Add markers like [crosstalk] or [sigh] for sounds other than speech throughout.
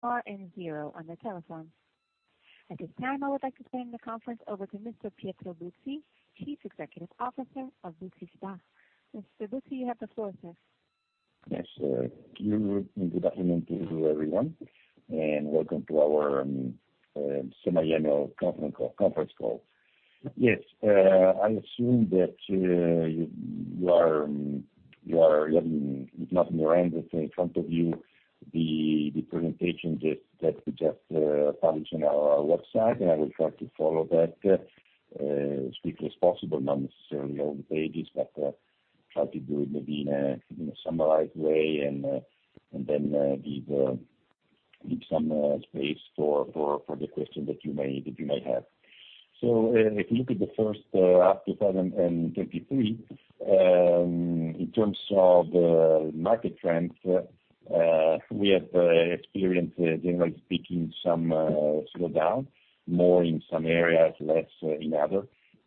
Star and zeroq on your telephone. At this time, I would like to turn the conference over to Mr. Pietro Buzzi, Chief Executive Officer of Buzzi SpA. Mr. Buzzi, you have the floor, sir. Yes, good afternoon to everyone, and welcome to our semi-annual conference call. Yes, I assume that you, you are having, if not in your hand, but in front of you, the presentation that, that we just published on our website. I will try to follow that as quickly as possible, not necessarily all the pages, but try to do it maybe in a summarized way, and then leave some space for the questions that you may, that you may have. If you look at the first half, 2023, in terms of market trends, we have experienced, generally speaking, some slowdown, more in some areas, less in other.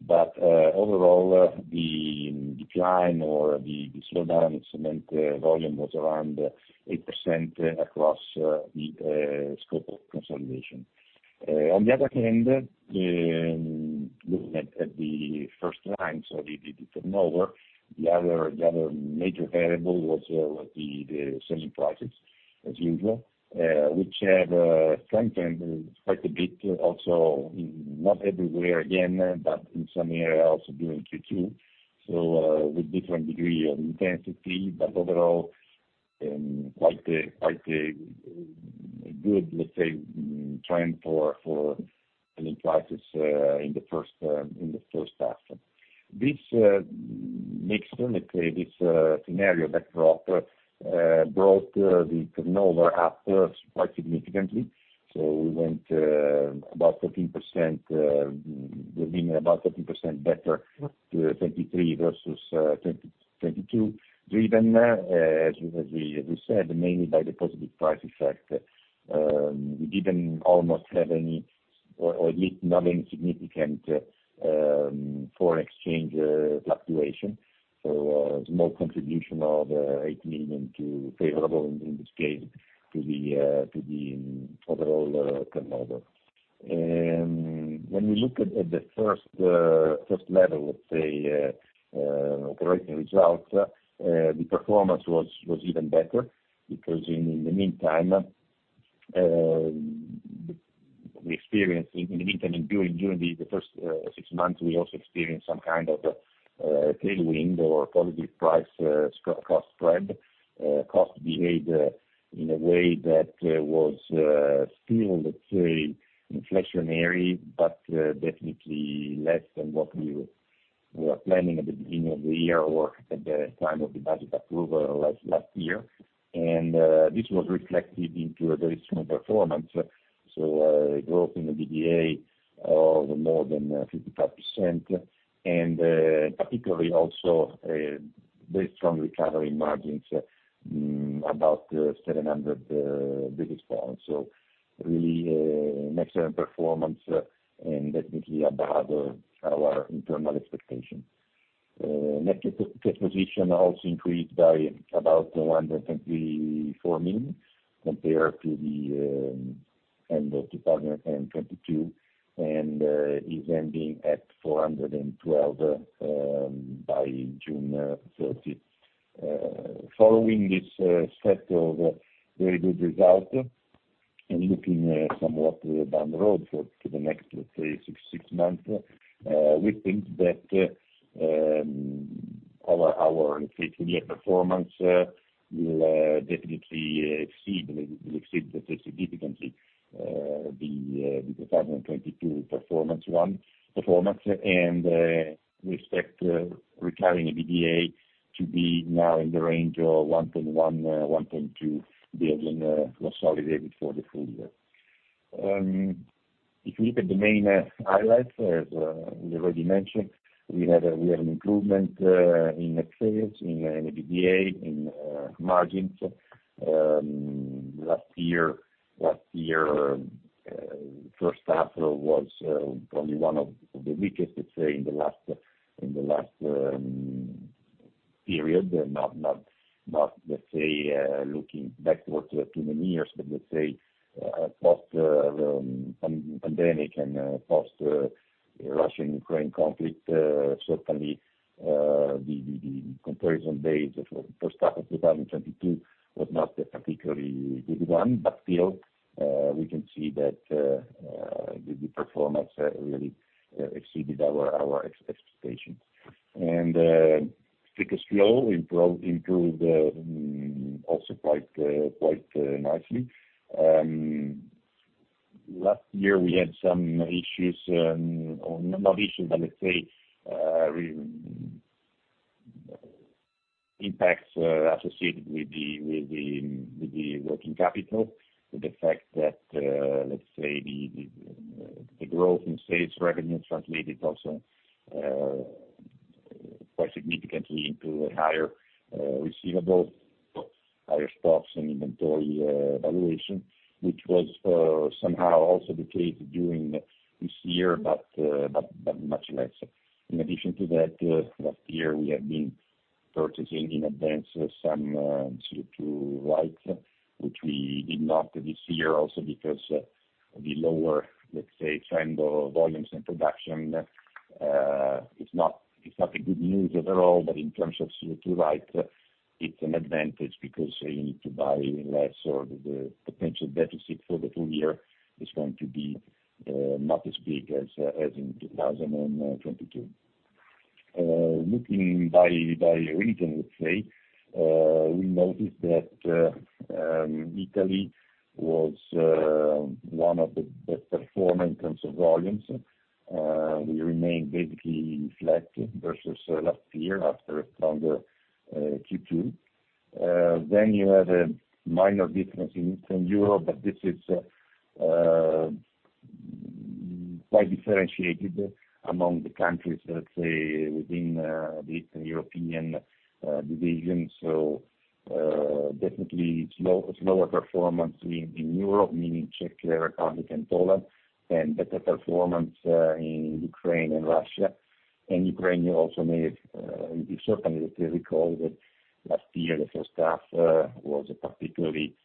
Overall, the decline or the slowdown in cement volume was around 8% across the scope of consolidation. On the other hand, looking at the first line, so the turnover, the other major variable was the selling prices, as usual, which have strengthened quite a bit, also not everywhere, again, but in some areas also during Q2. With different degree of intensity, but overall, quite a good, let's say, trend for selling prices in the first in the first half. This makes certainly this scenario that brought the turnover up quite significantly. We went about 13% within about 13% better to 2023 versus 2022, driven as, as we, as we said, mainly by the positive price effect. We didn't almost have any, or at least not any significant, foreign exchange fluctuation, so small contribution of 8 million to favorable in this case, to the overall turnover. When we look at, at the first level, let's say, operating results, the performance was even better, because in the meantime, we experienced in the meantime and during, during the first six months, we also experienced some kind of tailwind or positive price cost spread. Cost behaved in a way that was still, let's say, inflationary, but definitely less than what we were planning at the beginning of the year or at the time of the budget approval last, last year. This was reflected into a very strong performance, growth in the EBITDA of more than 55%. Particularly also very strong recovery margins, about 700 basis points. Really excellent performance and definitely above our internal expectations. Net cash position also increased by about 124 million compared to the end of 2022, and is ending at 412 million by June 30. [audio distortion] And looking somewhat down the road for the next, let's say, six months, we think that our full year performance will definitely exceed, will exceed significantly, the 2022 performance. We expect recurring EBITDA to be now in the range of 1.1 billion-1.2 billion consolidated for the full year. If you look at the main highlights, as we already mentioned, we have an improvement in net sales, in EBITDA, in margins. Last year, first half was probably one of the weakest, let's say, in the last period. Not let's say, looking backwards to many years, let's say, post pandemic and post Russian-Ukraine conflict. Certainly, the comparison base for first half of 2022 was not a particularly good one, still, we can see that the performance really exceeded our expectations. Free cash flow improved, also quite nicely. Last year, we had some issues, or not issues, but let's say, impacts, associated with the working capital, with the fact that, let's say the growth in sales revenue translated also quite significantly into higher receivables, higher stocks and inventory valuation, which was somehow also the case during this year, but much less. In addition to that, last year, we have been purchasing in advance some CO2 rights, which we did not this year, also because the lower, let's say, trend of volumes and production is not, it's not a good news overall, but in terms of CO2 rights, it's an advantage because you need to buy less or the potential deficit for the full year is going to be not as big as in 2022. Looking by, by region, let's say, we noticed that Italy was one of the best perform in terms of volumes. We remained basically flat versus last year after a stronger Q2. Then you had a minor difference in, in Europe, but this is quite differentiated among the countries, let's say, within the European division. Definitely slower performance in Europe, meaning Czech Republic and Poland, and better performance in Ukraine and Russia. Ukraine also made, you certainly recall that last year, the first half was a particularly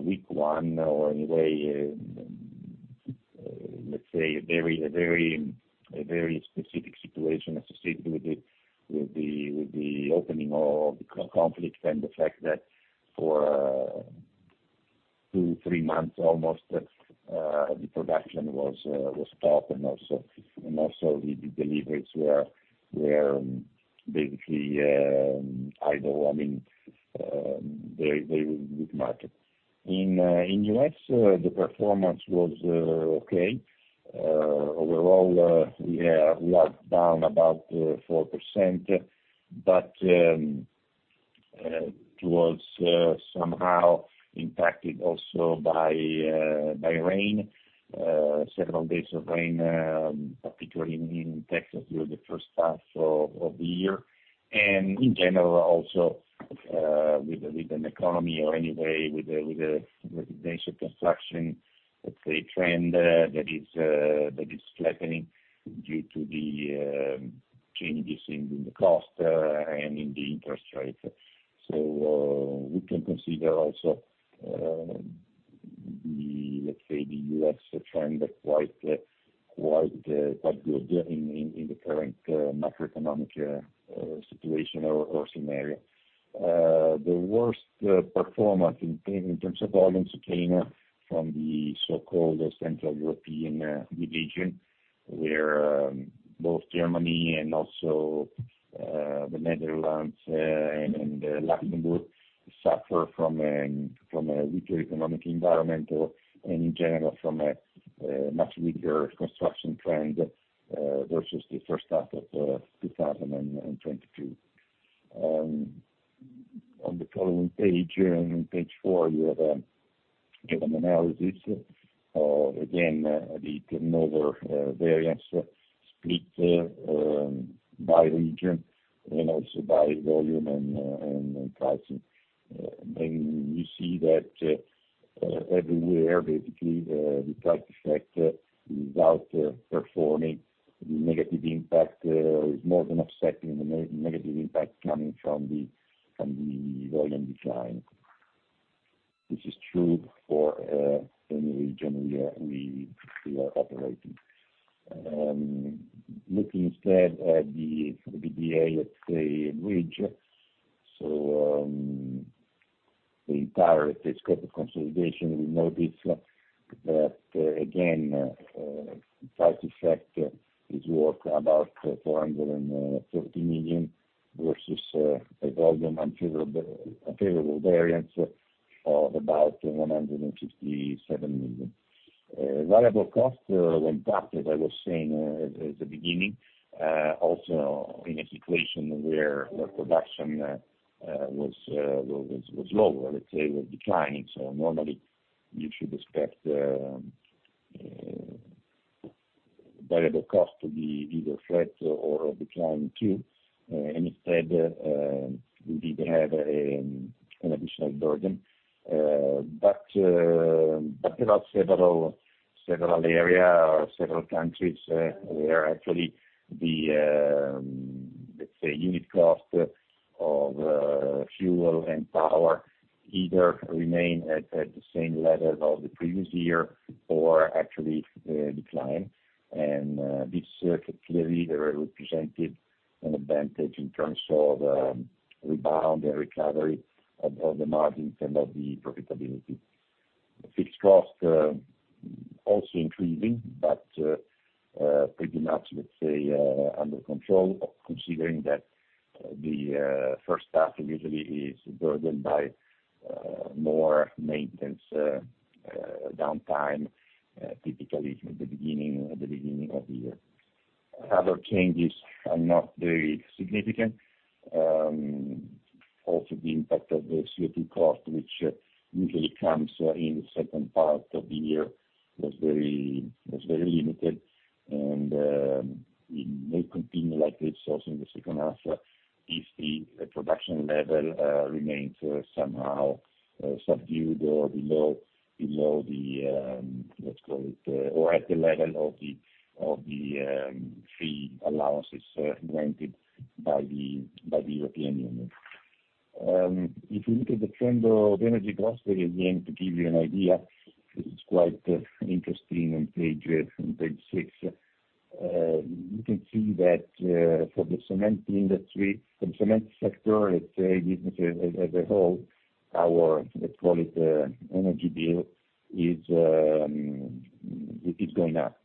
weak one, or anyway, let's say a very specific situation associated with the, with the, with the opening of the conflict and the fact that for two, three months almost, the production was stopped, and also, and also the, the deliveries were, were basically, either, I mean, very, very with market. In U.S., the performance was okay. Overall, we have locked down about 4%, but towards somehow impacted also by rain, several days of rain, particularly in Texas during the first half of the year. In general, also, with an economy or anyway, with a residential construction, let's say, trend that is flattening due to the changes in the cost and in the interest rate. We can consider also the, let's say, the U.S. trend quite quite quite good in the current macroeconomic situation or scenario. The worst performance in terms of volumes came from the so-called Central European division, where both Germany and also the Netherlands and Luxembourg suffer from a weaker economic environment and in general, from a much weaker construction trend versus the first half of 2022. On the following page, on page four, you have an analysis of, again, the turnover variance split by region and also by volume and pricing. We see that everywhere, basically, the price effect without performing the negative impact, is more than offsetting the negative impact coming from the volume decline. This is true for any region we are operating. The EBITDA bridge, the entire scope of consolidation, we notice that again, price effect is worth about 430 million versus a volume unfavorable variance of about 157 million. Variable cost went up, as I was saying at the beginning, also in a situation where the production was lower, was declining. Normally, you should expect variable cost to be either flat or declining too. Instead, we did have an additional burden. But there are several area or several countries where actually the unit cost of fuel and power either remain at the same level of the previous year or actually decline This clearly represented an advantage in terms of rebound and recovery of the margins and of the profitability. Fixed cost also increasing, but pretty much, let's say, under control, considering that the first half usually is burdened by more maintenance downtime, typically the beginning, the beginning of the year. Other changes are not very significant. Also the impact of the CO2 cost, which usually comes in the second part of the year, was very, was very limited, and it may continue like this also in the second half, if the production level remains somehow subdued or below the, let's call it, or at the level of the free allowances granted by the European Union. If you look at the trend of energy costs, again, to give you an idea, it's quite interesting on page 6. You can see that for the cement industry, the cement sector, let's say, business as a whole, our, let's call it, energy bill is it is going up.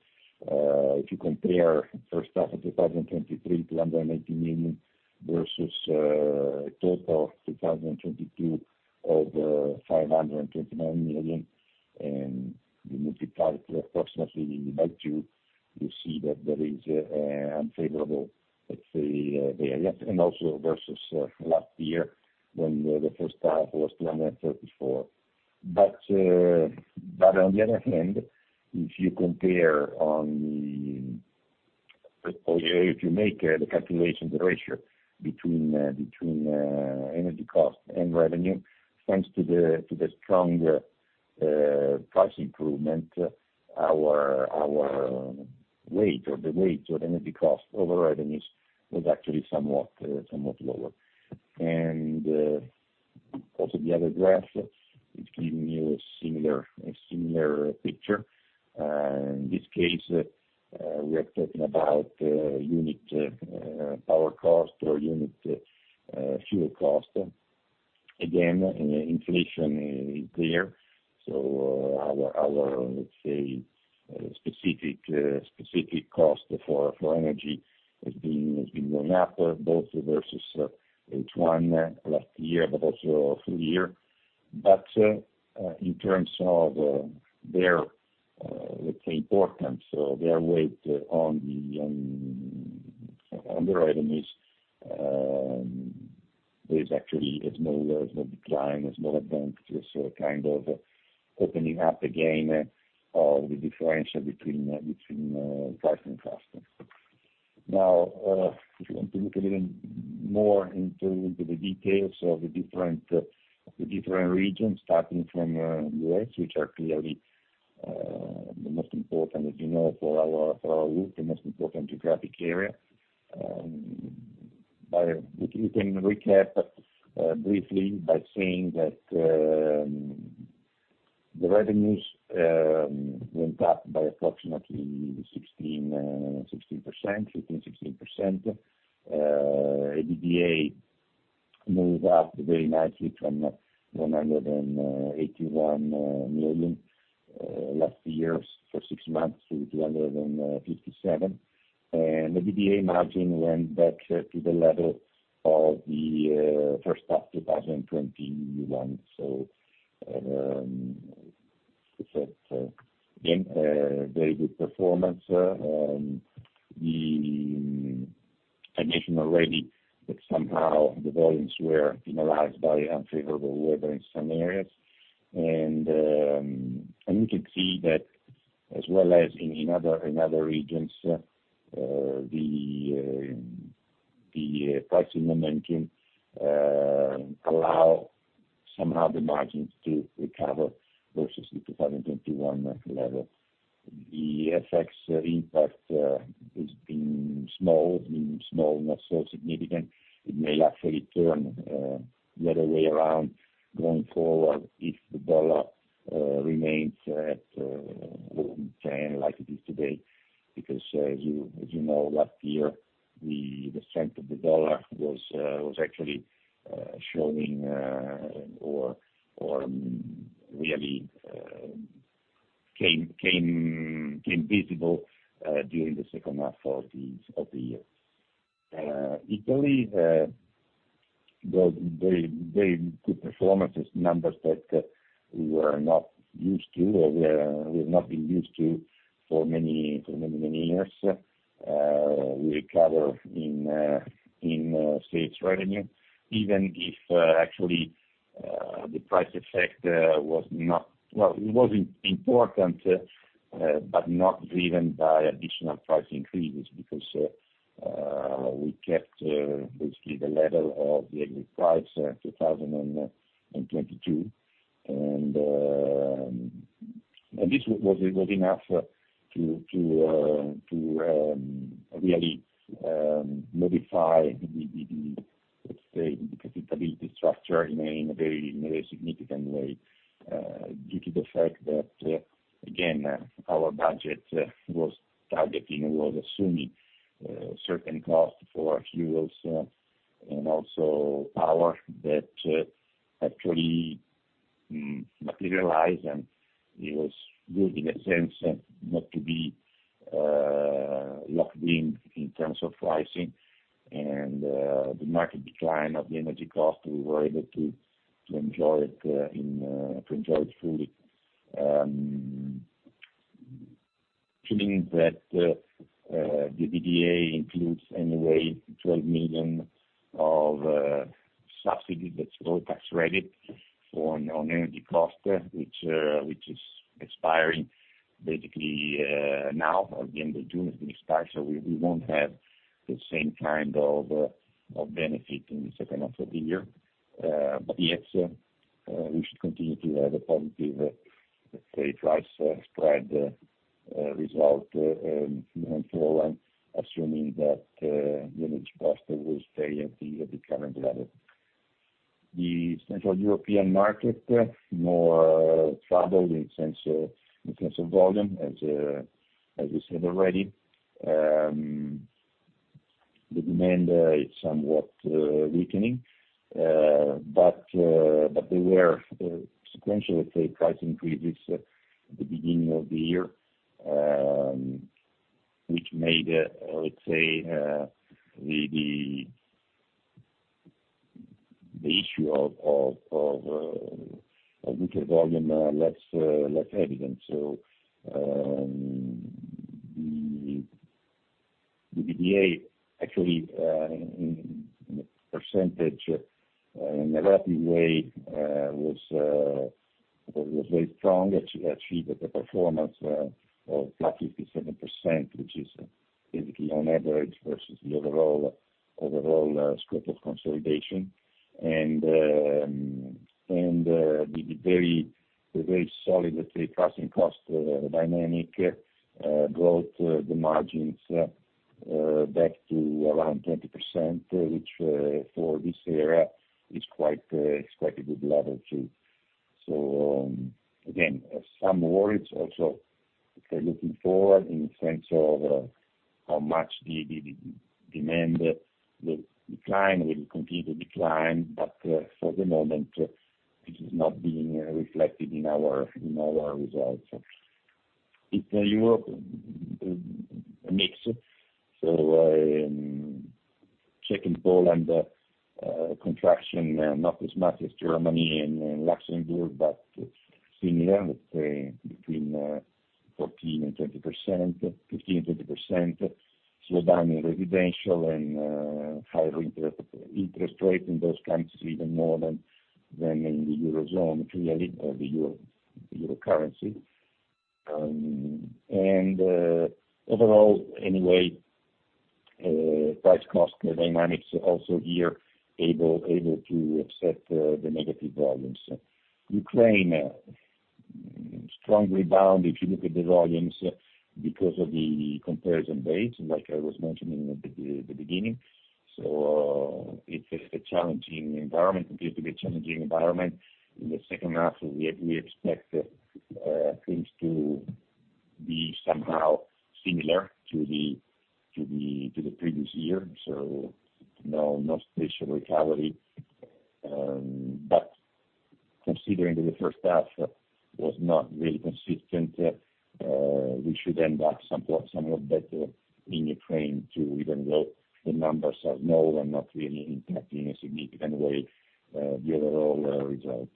If you compare first half of 2023 280 million versus total 2022 of 529 million, and you multiply approximately by two, you see that there is a unfavorable, let's say, variance. Also versus last year, when the first half was 234 million. On the other hand, if you compare on the, or if you make the calculation, the ratio between energy costs and revenue, thanks to the stronger price improvement, our, our weight or the weight of energy cost over revenues was actually somewhat lower. Also the other graph is giving you a similar, a similar picture. In this case, we are talking about unit power cost or unit fuel cost. Again, inflation is there, so our, our, let's say, specific specific cost for, for energy has been, has been going up, both versus H1 last year, but also full year. In terms of their, let's say, importance or their weight on the revenues, there is actually a small, small decline, a small advantage, so kind of opening up again, the differential between price and cost. If you want to look a little more into the details of the different, the different regions, starting from U.S., which are clearly the most important, as you know, for our group, the most important geographic area. We can recap briefly by saying that the revenues went up by approximately 15%-16%. EBITDA moved up very nicely from 181 million last year for six months to 257 million. The EBITDA margin went back to the level of the H1 2021. It's again a very good performance. I mentioned already that somehow the volumes were penalized by unfavorable weather in some areas. You can see that as well as in other regions, the pricing momentum allow somehow the margins to recover versus the 2021 level. The FX impact has been small, not so significant. It may actually turn the other way around going forward if the dollar remains at around 10, like it is today, because, you know, last year, the strength of the dollar was actually showing or really came, came, came visible during the second half of the year. Italy, very good performances, numbers that we were not used to or we have not been used to for many, for many, many years. We recover in sales revenue, even if actually the price effect was not... Well, it was important, but not driven by additional price increases because we kept basically the level of the average price 2022. This was, was enough to, to, to really modify the, the, the, let's say, the profitability structure in a, in a very, in a very significant way, due to the fact that, again, our budget was targeting and was assuming, certain costs for fuels, and also power that actually materialized, and it was good in a sense not to be locked in, in terms of pricing. The market decline of the energy cost, we were able to enjoy it fully. Keeping that, the EBITDA includes anyway 12 million of subsidy, that's full tax credit on energy cost, which which is expiring basically now, at the end of June, it will expire, so we won't have the same kind of benefit in the second half of the year. Yes- we should continue to have a positive, let's say, price spread result, moving forward, assuming that the energy cost will stay at the current level. The Central European market, more troubled in sense of, in terms of volume as as we said already. The demand is somewhat weakening, but there were sequentially, say, price increases at the beginning of the year, which made, let's say, the issue of weaker volume less evident. The EBITDA actually, in percentage, in a relative way, was very strong, ach- achieved the performance of +57%, which is basically on average versus the overall, overall scope of consolidation. The very, the very solid, let's say, passing cost dynamic brought the margins back to around 20%, which for this area is quite a good level, too. Again, some worries also looking forward in the sense of how much the demand will decline, will continue to decline, but for the moment, this is not being reflected in our, in our results. Eastern Europe mix, second Poland contraction, not as much as Germany and Luxembourg, but similar, let's say, between 14 and 20%, 15%-20%. Slow down in residential and higher interest rates in those countries, even more than, than in the Eurozone clearly, or the Euro currency. Overall, anyway, price cost dynamics also here able, able to offset the negative volumes. Ukraine, strongly bound, if you look at the volumes, because of the comparison base, like I was mentioning at the beginning. It's a challenging environment, it continues to be a challenging environment. In the second half, we expect things to be somehow similar to the previous year, so no special recovery. Considering that the first half was not really consistent, we should end up somewhat better in Ukraine, too, even though the numbers are low and not really impacting in a significant way, the overall result.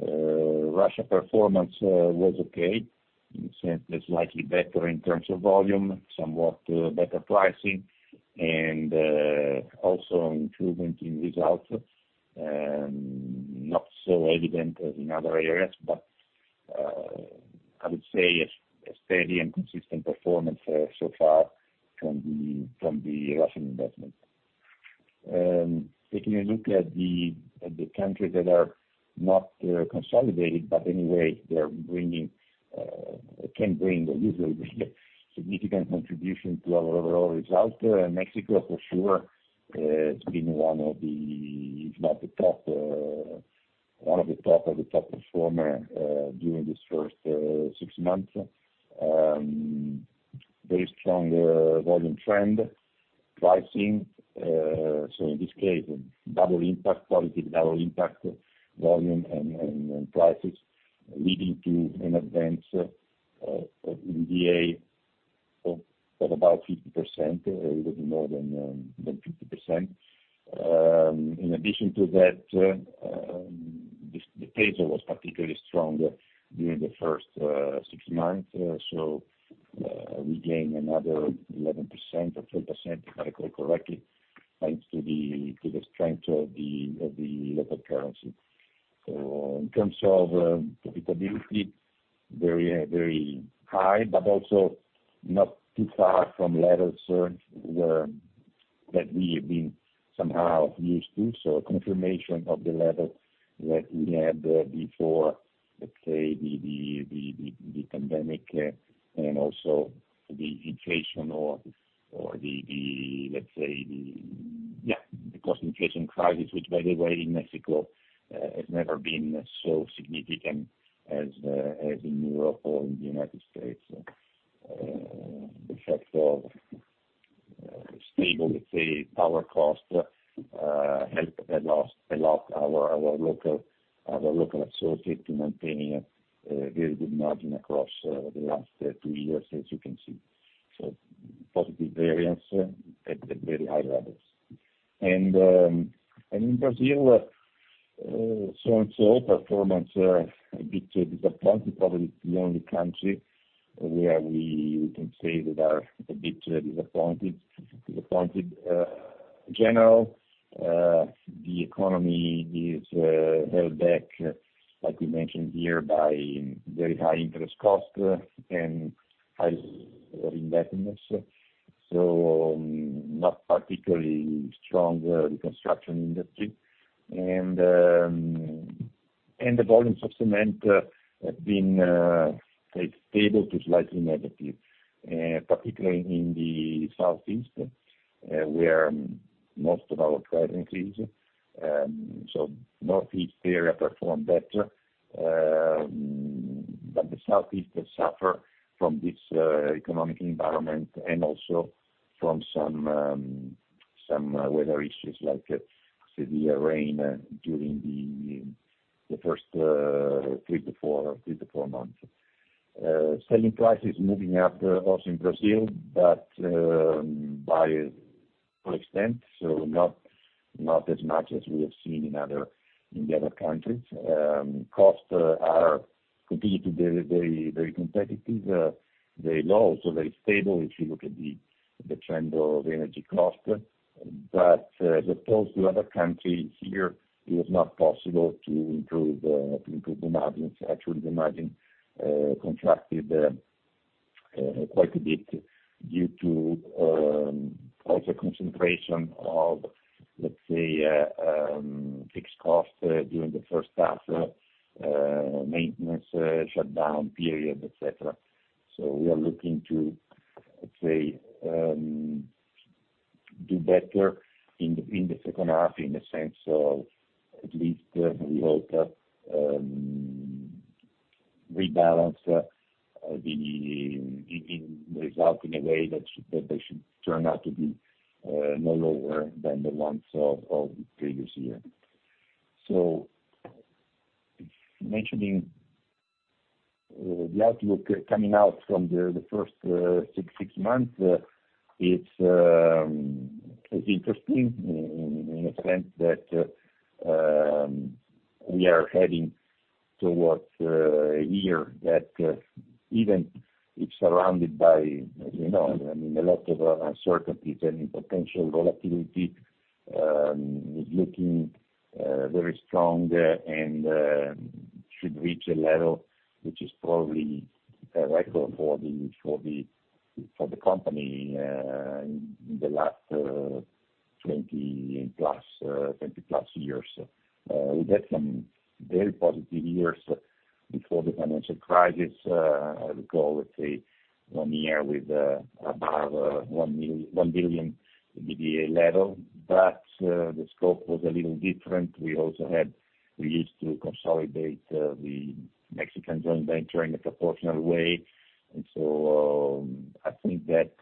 Russia performance was okay. In sense, it's slightly better in terms of volume, somewhat better pricing, and also improvement in results, not so evident as in other areas, but I would say a steady and consistent performance so far from the Russian investment. Taking a look at the countries that are not consolidated, but anyway, they're bringing, can bring or usually bring a significant contribution to our overall result. Mexico, for sure, has been one of the, if not the top, one of the top, or the top performer, during this first six months. Very strong volume trend. Pricing, so in this case, double impact, positive double impact, volume and prices, leading to an advance in EBITDA of about 50%, a little bit more than 50%. In addition to that, the peso was particularly strong during the first six months. We gain another 11% or 10%, if I recall correctly, thanks to the strength of the local currency. In terms of profitability, very, very high, but also not too far from levels where that we've been somehow used to. Confirmation of the level that we had before, let's say, the pandemic, and also the inflation or, or the cost inflation crisis, which, by the way, in Mexico, has never been so significant as in Europe or in the United States. The effect of stable, let's say, power cost, helped us a lot our local associate to maintaining a very good margin across the last two years, as you can see. Positive variance at very high levels. In Brazil, so-so performance, a bit disappointed. Probably the only country where we, we can say that are a bit disappointed, disappointed. In general, the economy is held back, like we mentioned here, by very high interest cost and high indebtedness. Not particularly strong construction industry. The volumes of cement have been stable to slightly negative, particularly in the Southeast, where most of our presence is. Northeast area performed better, but the Southeast suffer from this economic environment and also from some weather issues, like severe rain, during the first, three to four months. Selling prices moving up, also in Brazil, but by full extent, so not as much as we have seen in other countries. Costs are continue to be very, very competitive, very low, so very stable if you look at the, the trend of energy cost. As opposed to other countries, here, it was not possible to improve, to improve the margins. Actually, the margin contracted quite a bit due to also concentration of, let's say, fixed costs during the first half, maintenance shutdown period, et cetera. We are looking to, let's say, do better in, in the second half, in the sense of at least, we hope, rebalance the result in a way that that they should turn out to be no lower than the ones of the previous year. Mentioning the outlook coming out from the first six months, it's interesting in a sense that we are heading towards a year that even it's surrounded by, you know, I mean, a lot of uncertainties and potential volatility, is looking very strong there, and should reach a level which is probably a record for the company in the last 20 plus years. We had some very positive years before the financial crisis. I recall, let's say, 1 billion EBITDA level, but the scope was a little different. We also had, we used to consolidate the Mexican joint venture in a proportional way. I think that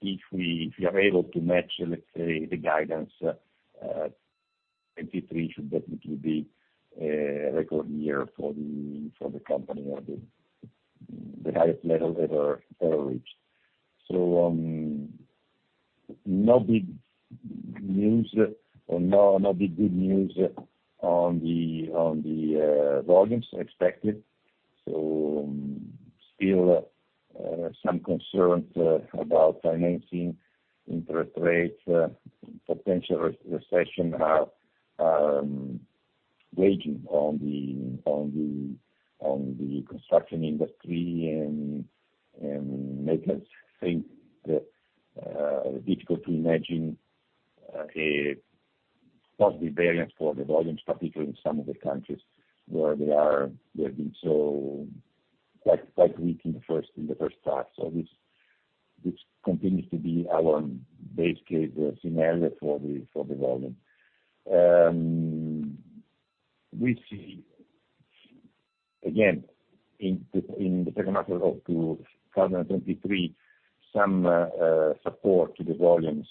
if we, if we are able to match, let's say, the guidance, 2023 should definitely be a record year for the company or the highest level ever, ever reached. No big news or no, not big good news on the volumes expected, so still some concerns about financing, interest rates, potential recession weighing on the construction industry, and make us think difficult to imagine a positive variance for the volumes, particularly in some of the countries where they have been so, like, quite weak in the first, in the first half. This, this continues to be our base case scenario for the volume. We see, again, in the, in the second half of 2023, some support to the volumes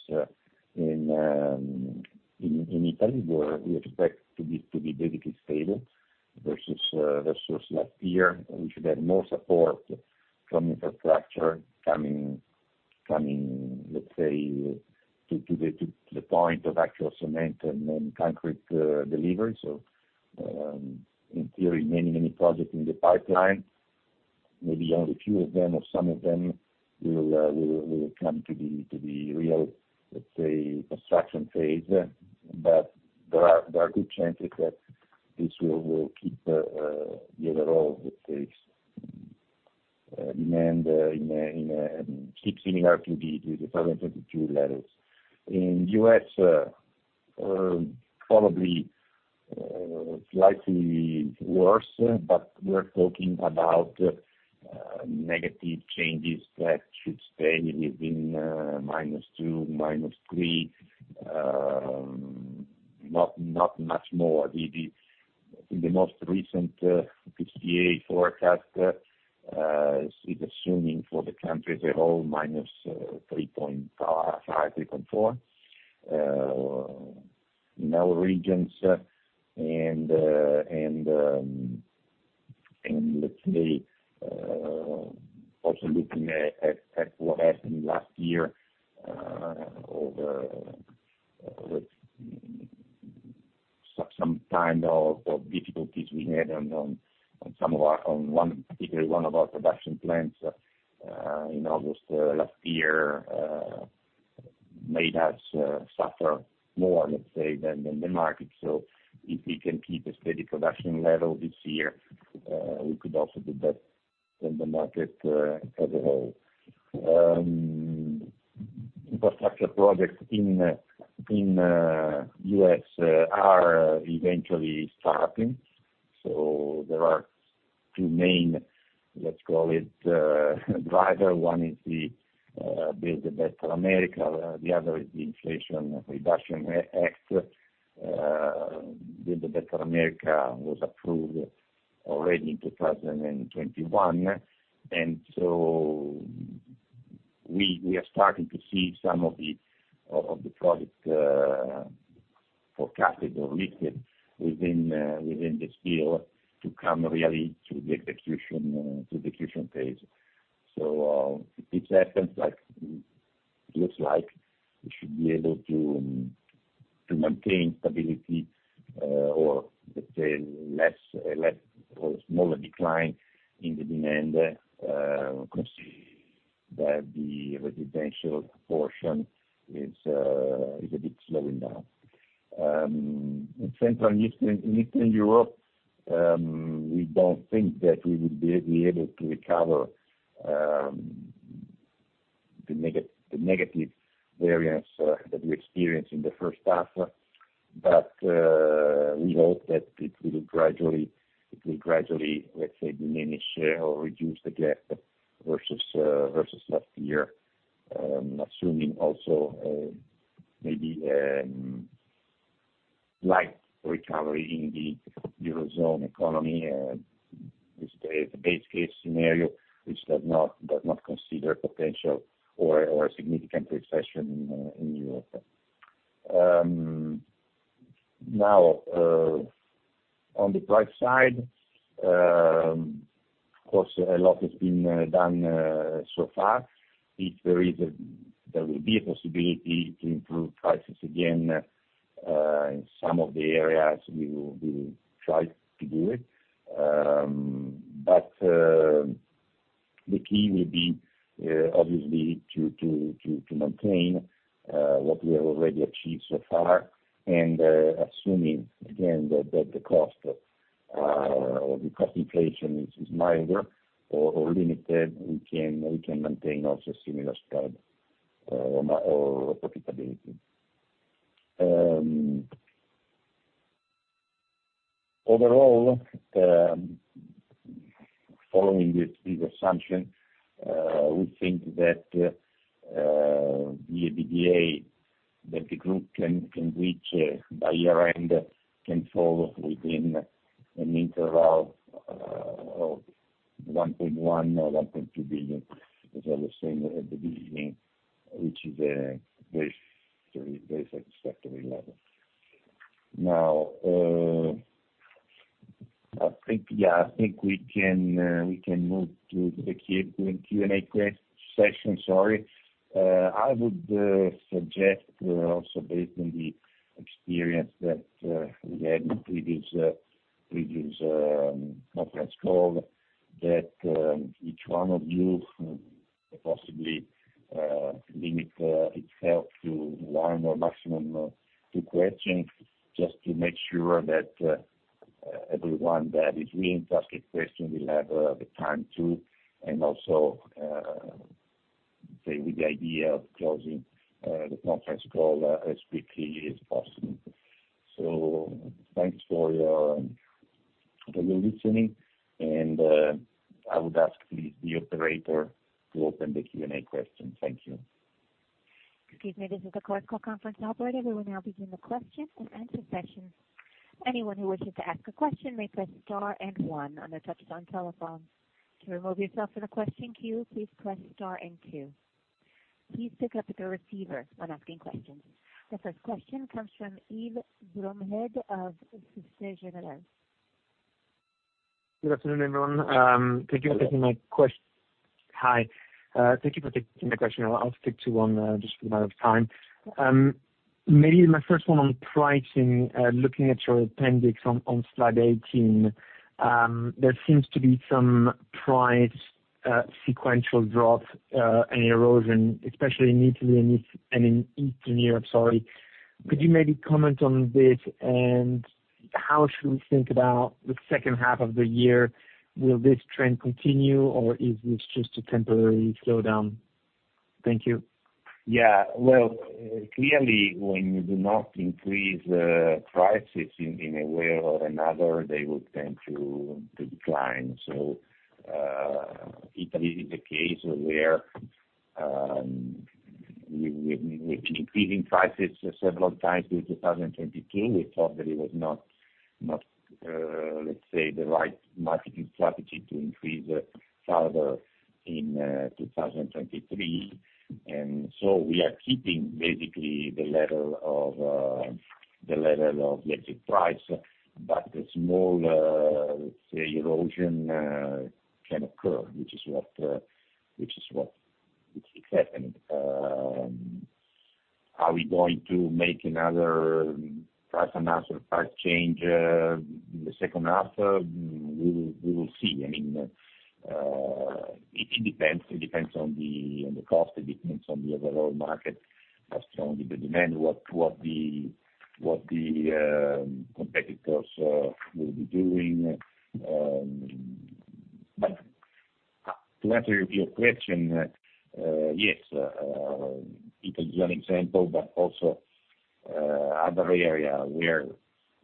in Italy, where we expect to be, to be basically stable versus last year. We should have more support from infrastructure coming, coming, let's say, to the point of actual cement and then concrete delivery. In theory, many, many projects in the pipeline. Maybe only a few of them or some of them will, will come to the, to the real, let's say, construction phase. There are good chances that this will keep the overall, let's say, demand in a, keeps similar to the, to the 2022 levels. In U.S., probably slightly worse, but we're talking about negative changes that should stay within -2, -3, not much more. The in the most recent PCA forecast is assuming for the country as a whole, -3.5, 3.4 in our regions, and let's say, also looking at what happened last year, over some kind of difficulties we had on one, particularly one of our production plants in August last year, made us suffer more, let's say, than the market. If we can keep a steady production level this year, we could also do better than the market as a whole. Infrastructure projects in the U.S. are eventually starting, so there are two main, let's call it, driver. One is the Build a Better America, the other is the Inflation Reduction Act. Build a Better America was approved already in 2021, and so we, we are starting to see some of the, of, of the project forecasted or listed within this year to come really to the execution, to the execution phase. If this happens, like, looks like we should be able to maintain stability, or let's say, less, less or smaller decline in the demand, considering that the residential portion is a bit slowing down. In Central and Eastern Europe, we don't think that we would be able to recover the negative variance that we experienced in the first half. We hope that it will gradually, let's say, diminish or reduce the gap versus last year, assuming also maybe light recovery in the Eurozone economy is the base case scenario, which does not consider potential or significant recession in Europe. Now, on the price side, of course, a lot has been done so far. If there will be a possibility to improve prices again in some of the areas, we will try to do it. The key will be, obviously, to maintain what we have already achieved so far, and assuming again that the cost or the cost inflation is milder or limited, we can maintain also similar spread or profitability. Overall, following this assumption, we think that the EBITDA that the group can reach by year-end, can fall within an interval of 1.1 billion or 1.2 billion, as I was saying at the beginning, which is a very, very satisfactory level. Now, I think, yeah, I think we can move to the Q&A session. Sorry. I would suggest also based on the experience that we had in previous previous conference call, that each one of you possibly limit itself to one or maximum two questions, just to make sure that everyone that is really interested question will have the time to, and also say with the idea of closing the conference call as quickly as possible. Thanks for your, for your listening, and I would ask please the operator to open the Q&A question. Thank you. Excuse me, this is the conference call operator. We will now begin the question and answer session. Anyone who wishes to ask a question may press star and one on their touchtone telephone. To remove yourself from the question queue, please press star and two. Please pick up the receiver when asking questions. The first question comes from Yves Roudaut of Société Générale. Good afternoon, everyone. Thank you for taking my question. I'll stick to one just for the amount of time. Maybe my first one on pricing. Looking at your appendix on slide 18, there seems to be some price sequential drop and erosion, especially in Italy and in, and in Eastern Europe, sorry. Could you maybe comment on this? How should we think about the second half of the year? Will this trend continue, or is this just a temporary slowdown? Thank you. Yeah, well, clearly, when you do not increase prices in a way or another, they would tend to decline. Italy is a case where we, we, we increasing prices several times in 2022. We thought that it was not, not, let's say, the right marketing strategy to increase further in 2023. We are keeping basically the level of the level of electric price, but the small, say, erosion can occur, which is what, which is what, which is happening. Are we going to make another price announce or price change in the second half, we will see. I mean, it depends. It depends on the, on the cost, it depends on the overall market, how strong the demand, what, what the, what the competitors will be doing. To answer your question, yes, Italy is one example, but also other area where,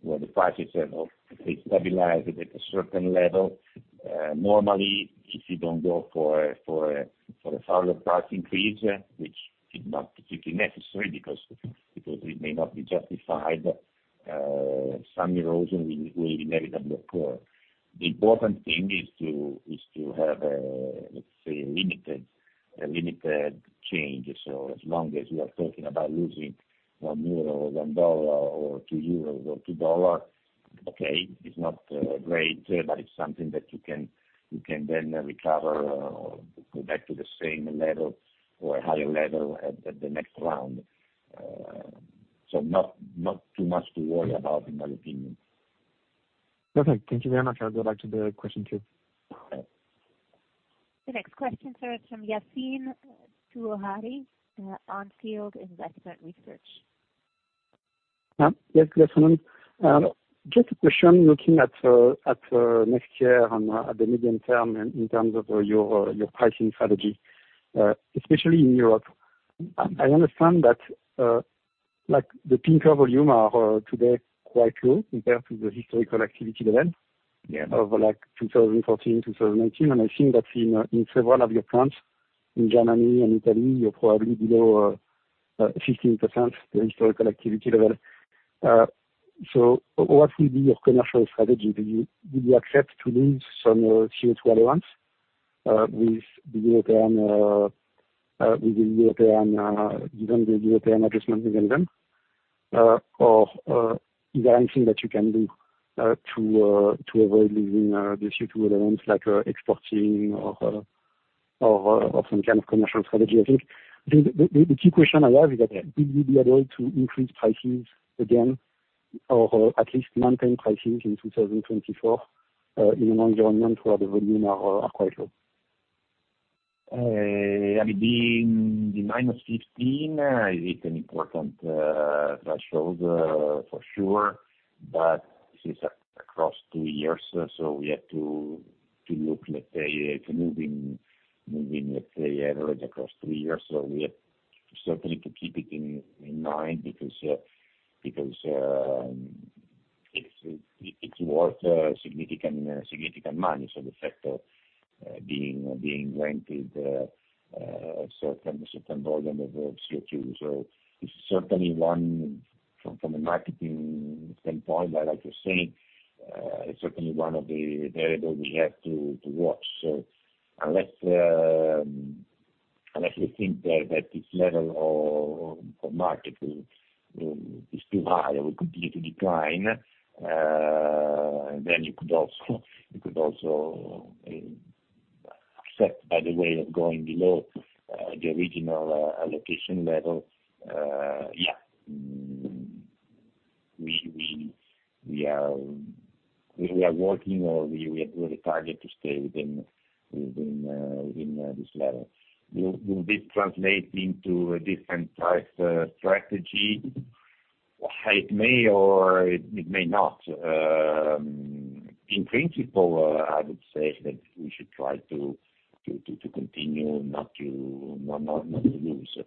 where the prices have, they stabilized at a certain level. Normally, if you don't go for a further price increase, which is not particularly necessary because, because it may not be justified, some erosion will, will inevitably occur. The important thing is to have a, let's say, a limited, a limited change. As long as we are talking about losing 1 euro, $1, or 2 euros or $2, okay, it's not great, but it's something that you can, you can then recover or go back to the same level or a higher level at, at the next round. Not, not too much to worry about, in my opinion. Perfect. Thank you very much. I'll go back to the question queue. The next question sir, is from Yassine Touahri, On Field Investment Research. Yes, good afternoon. Just a question, looking at, at next year on, at the medium term in, in terms of, your, your pricing strategy, especially in Europe. I, I understand that, like, the clinker volume are, today quite low compared to the historical activity level of like, 2014, 2018, I think that in several of your plants in Germany and Italy, you're probably below 15% the historical activity level. What will be your commercial strategy? Do you, do you accept to lose some CO2 allowance with the European, with the European, given the European adjustment mechanism? Is there anything that you can do to avoid losing the CO2 allowance, like exporting or or some kind of commercial strategy? I think the, the, the, the key question I have is that will you be able to increase prices again, or at least maintain pricing in 2024 in an environment where the volume are, are quite low? I mean, being the -15 is an important threshold for sure, but this is across two years, so we have to look, let's say, it's a moving, moving, let's say, average across two years. We have certainly to keep it in mind because it's worth significant significant money. The fact of being granted certain volume of CO2. It's certainly one from a marketing standpoint, but like you're saying, it's certainly one of the variable we have to watch. Unless, unless you think that, that this level of, of market is, is too high or will continue to decline, you could also, you could also, affect, by the way, of going below, the original, allocation level. We are working or we are targeted to stay within, within, within, this level. Will this translate into a different price, strategy? It may or it, it may not. In principle, I would say that we should try to continue not to lose.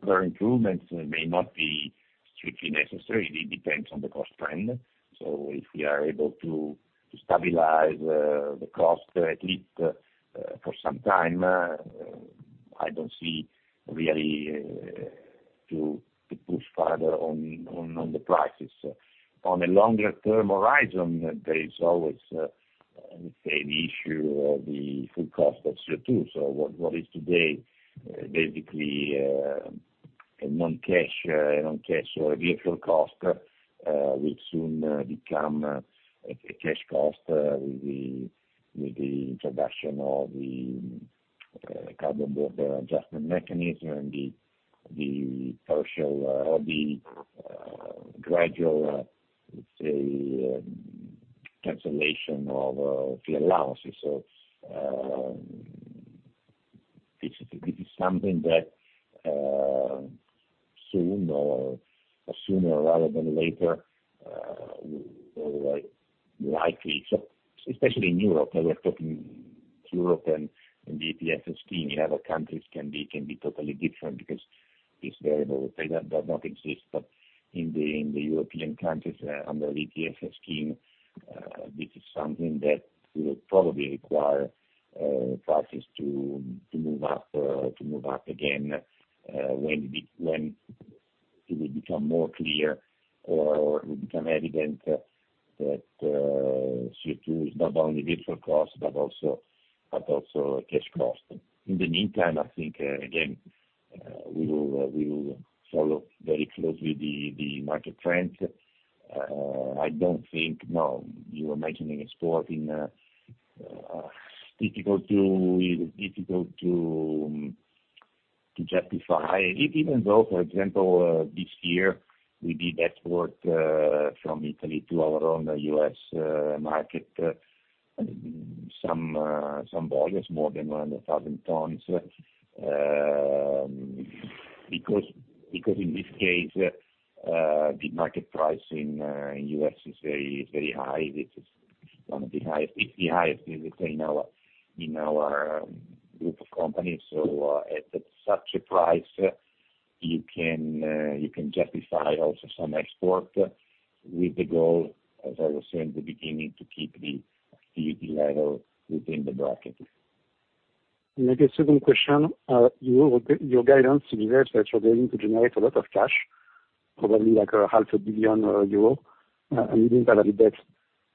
Further improvements may not be strictly necessary, it depends on the cost trend. If we are able to stabilize the cost, at least for some time, I don't see really to push further on the prices. On a longer term horizon, there is always the issue of the full cost of CO2. What is today basically a non-cash or a vehicle cost will soon become a cash cost with the introduction of the carbon border adjustment mechanism and the partial or the gradual cancellation of the allowances. This is something that soon or sooner rather than later likely, especially in Europe, now we're talking Europe and the ETS scheme. In other countries can be, can be totally different because this variable does not exist. In the, in the European countries, under the ETS scheme, this is something that will probably require prices to move up again, when it will become more clear or it will become evident that CO2 is not only different cost, but also, but also a cash cost. In the meantime, I think, again, we will, we will follow very closely the, the market trends. I don't think, no, you were mentioning exporting, difficult to, it is difficult to justify, even though, for example, this year, we did export from Italy to our own U.S. market, some volumes more than 100,000 tons. Because, because in this case, the market price in U.S. is very, very high. It is one of the highest, it's the highest in, in our, in our, group of companies. At such a price, you can justify also some export with the goal, as I was saying in the beginning, to keep the, keep the level within the bracket. I guess second question, you, your guidance suggests that you're going to generate a lot of cash, probably like 500 million euro, within that index.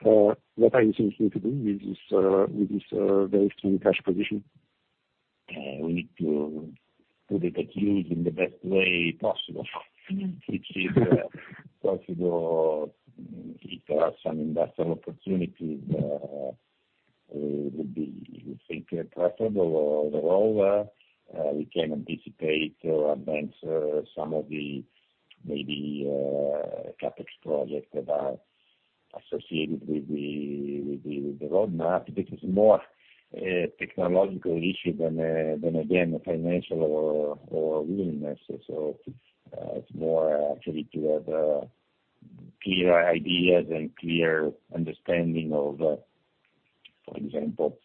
What are you thinking to do with this very strong cash position? We need to put it at use in the best way possible, which is possible if there are some investment opportunities, would be, we think preferable. Overall, we can anticipate or advance, some of the maybe, CapEx projects that are associated with the roadmap. Because more, technological issue than again, a financial or, or willingness. It's more actually to have, clear ideas and clear understanding of, for example,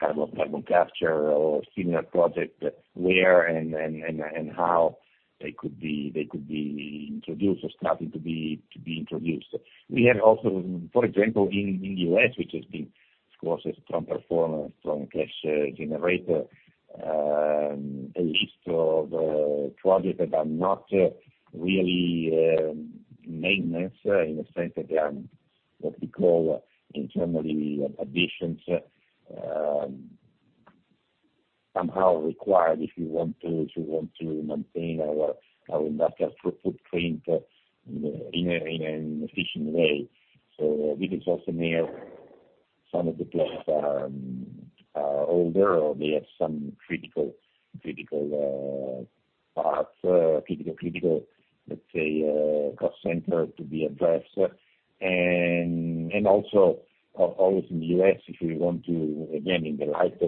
carbon, carbon capture or similar project, where and, and, and, and how they could be, they could be introduced or starting to be introduced. We have also, for example, in, in the U.S., which has been, of course, a strong performer, strong cash generator, a list of projects that are not really maintenance in the sense that they are, what we call internally, additions. Somehow required if you want to, if you want to maintain our, our industrial footprint in an efficient way. This is also near some of the plants are older, or they have some critical let's say, cost center to be addressed. Also, always in the U.S., if you want to, again, in the light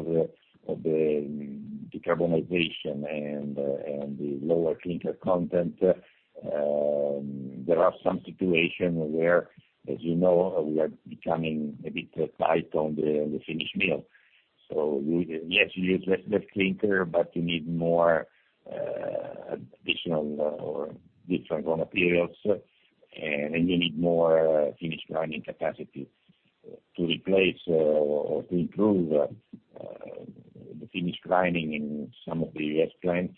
of the decarbonization and the lower clinker content, there are some situations where, as you know, we are becoming a bit tight on the, on the finished mill. Yes, you use less clinker, but you need more additional or different raw materials, and you need more finished grinding capacity to replace or to improve the finished grinding in some of the U.S. plants.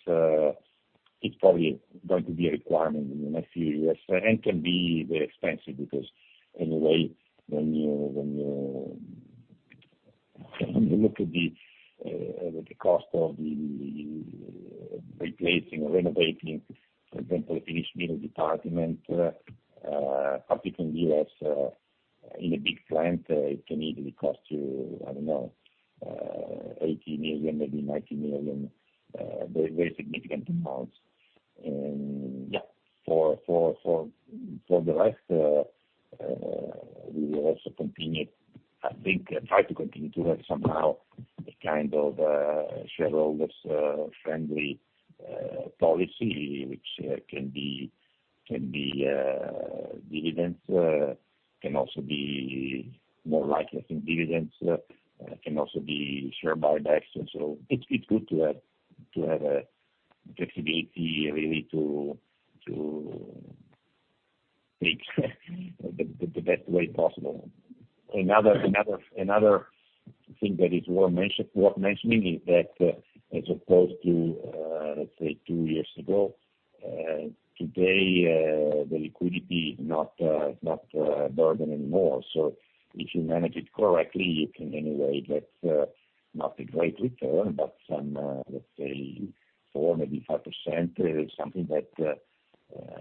It's probably going to be a requirement in the next few years, and can be very expensive. Anyway, when you, when you, when you look at the cost of replacing or renovating, for example, finish mill department, particularly in U.S., in a big plant, it can easily cost you, I don't know, 80 million, maybe 90 million, very, very significant amounts. Yeah, for the rest, we will also continue, I think, try to continue to have somehow a kind of shareholders friendly policy, which can be dividends, can also be more likely, I think, dividends, can also be share buybacks. It's good to have flexibility really to pick the best way possible. Another thing that is worth mentioning is that, as opposed to, let's say, two years ago, today, the liquidity is not a burden anymore. If you manage it correctly, you can anyway get not a great return, but some, let's say 4%, maybe 5%, something that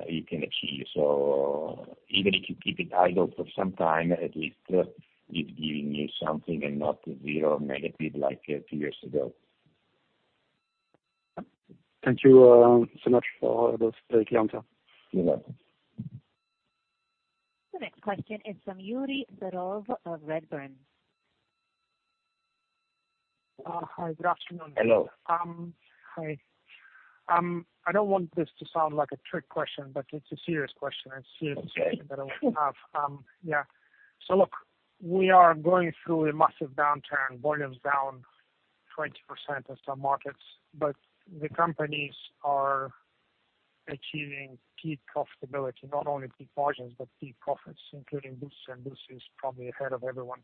you can achieve. Even if you keep it idle for some time, at least it's giving you something and not zero negative, like, two years ago. Thank you, so much for those, Pietro. You're welcome. The next question is from Yuri Serov of Redburn. Hi, good afternoon. Hello. Hi. I don't want this to sound like a trick question, but it's a serious question, a serious question that I have. Yeah. Look, we are going through a massive downturn, volumes down 20% in some markets, but the companies are achieving key profitability, not only key margins, but key profits, including this, and this is probably ahead of everyone.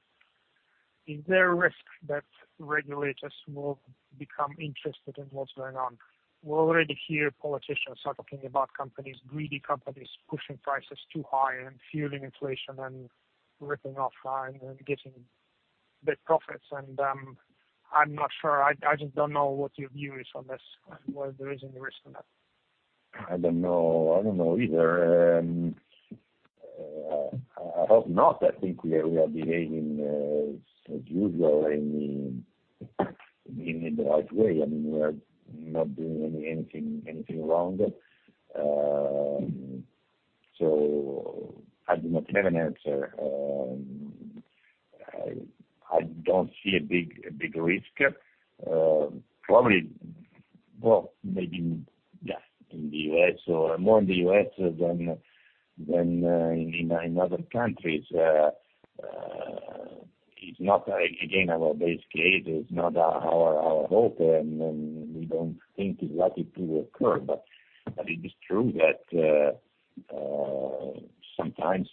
Is there a risk that regulators will become interested in what's going on? We already hear politicians are talking about companies, greedy companies, pushing prices too high and fueling inflation and ripping off, and getting big profits. I'm not sure. I just don't know what your view is on this, and whether there is any risk in that. I don't know. I don't know either. I hope not. I think we are, we are behaving, as usual, I mean, in, in the right way. I mean, we are not doing anything, anything wrong. I do not have an answer. I don't see a big, a big risk. Probably, well, maybe, yeah, in the U.S. or more in the U.S. than, than, in, in other countries. It's not, again, our base case, it's not our, our hope, and, and we don't think it's likely to occur. But it is true that, sometimes,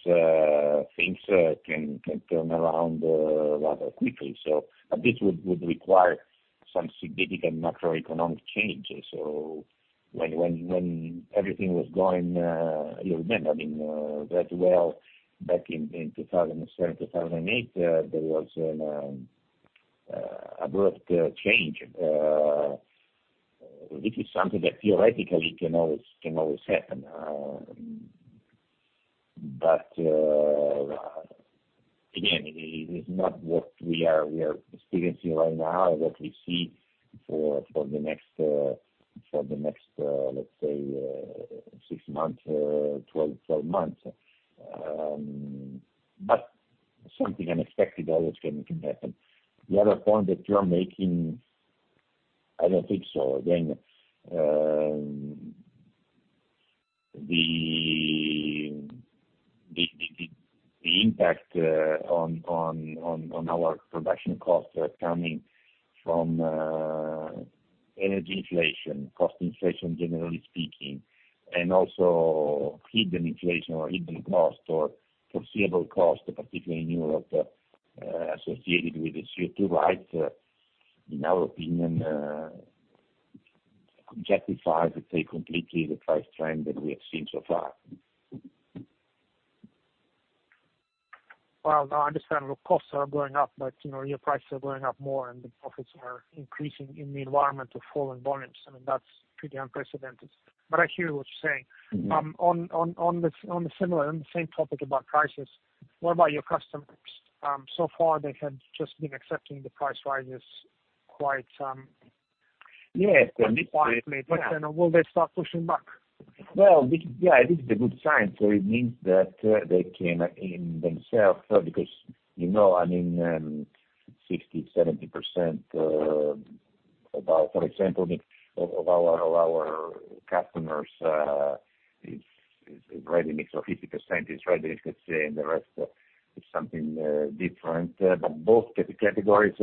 things, can, can turn around, rather quickly. But this would, would require some significant macroeconomic changes. When, when, when everything was going, you remember, I mean, that well, back in, in 2007, 2008, there was abrupt change. This is something that theoretically can always, can always happen. Again, it is not what we are, we are experiencing right now, what we see for the next, for the next, let's say, six months, 12 months. Something unexpected always can, can happen. The other point that you are making, I don't think so. Again, the impact on our production costs are coming from energy inflation, cost inflation, generally speaking, and also hidden inflation or hidden costs or foreseeable costs, particularly in Europe, associated with the CO2 rights, in our opinion, justifies, let's say, completely the price trend that we have seen so far. Well, I understand the costs are going up, but, you know, your prices are going up more, and the profits are increasing in the environment of falling volumes. I mean, that's pretty unprecedented. I hear what you're saying. On the same topic about prices, what about your customers? So far, they have just been accepting the price rises quitely. Then will they start pushing back? Well, yeah, this is a good sign. It means that they came in themselves, because, you know, I mean, 60%-70% about, for example, of our customers is ready, mix of 50% is ready, let's say, and the rest is something different. Both categories,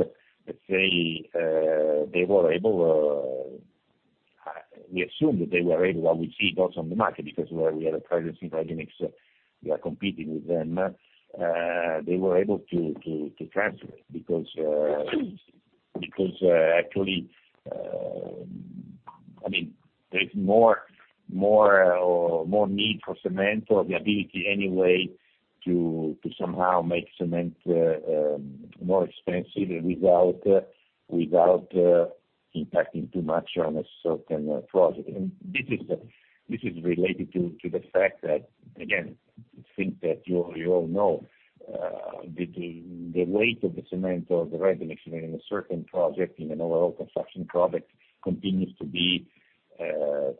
let's say, they were able. We assume that they were able, what we see both on the market, because we are a presence in remix, we are competing with them. They were able to transfer it, because, actually, I mean, there is more need for cement or the ability anyway, to somehow make cement more expensive without impacting too much on a certain project. This is, this is related to, to the fact that, again, I think that you, you all know, the weight of the cement or the regulation in a certain project, in an overall construction project, continues to be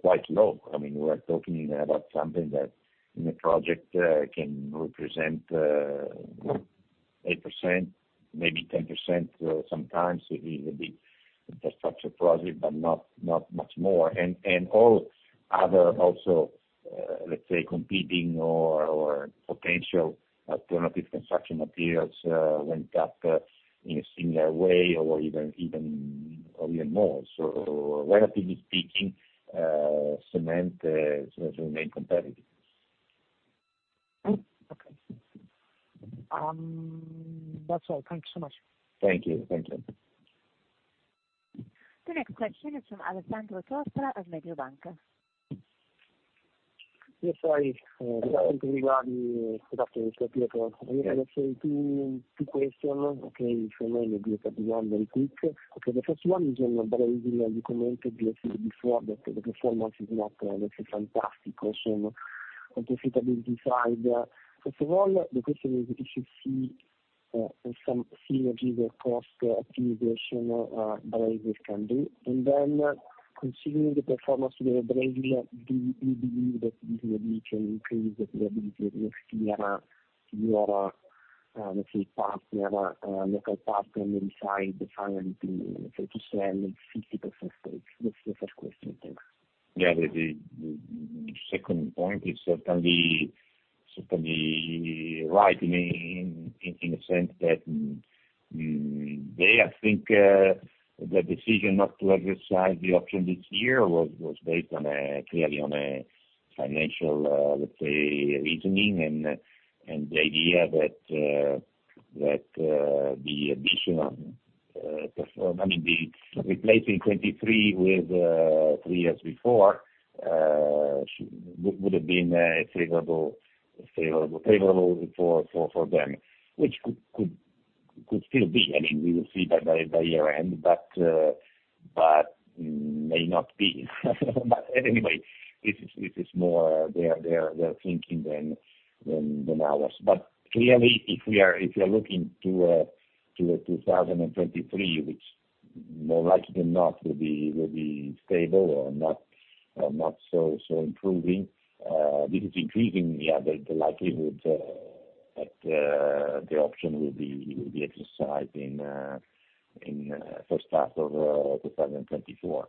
quite low. I mean, we're talking about something that in a project can represent 8%, maybe 10%, sometimes it will be infrastructure project, but not, not much more. All other also, let's say, competing or, or potential alternative construction materials went up in a similar way or even more. Relatively speaking, cement remain competitive. Okay. That's all. Thank you so much. Thank you. Thank you. The next question is from Alessandro Tortora at Mediobanca. Yes, hi. Two question. Okay, for me, maybe quickly. Okay, first one. In Brazil, you comment before, because the performance is not actually fantastic on 2025. First of all, the question is, if you see some synergies or cost optimization Brazil can do? Then, considering the performance in Brazil, do you believe that this year we can increase the ability of Sierra, your, let's say, partner, local partner, inside the final to, let's say, to sell 50% stake? The first question. Thanks. Yeah, the second point is certainly, certainly right, in a sense that, they... I think, the decision not to exercise the option this year was, was based on a, clearly on a financial, let's say, reasoning, and, and the idea that, that, the additional, I mean, the replacing 23 with, three years before, would, would have been a favorable, favorable, favorable for, for, for them, which could... It could still be. I mean, we will see by year-end, but, but may not be. Anyway, this is, this is more their thinking than ours. Clearly, if you are looking to 2023, which more likely than not will be, will be stable or not, or not so, so improving, this is increasing, yeah, the likelihood that the option will be exercised in H1 2024.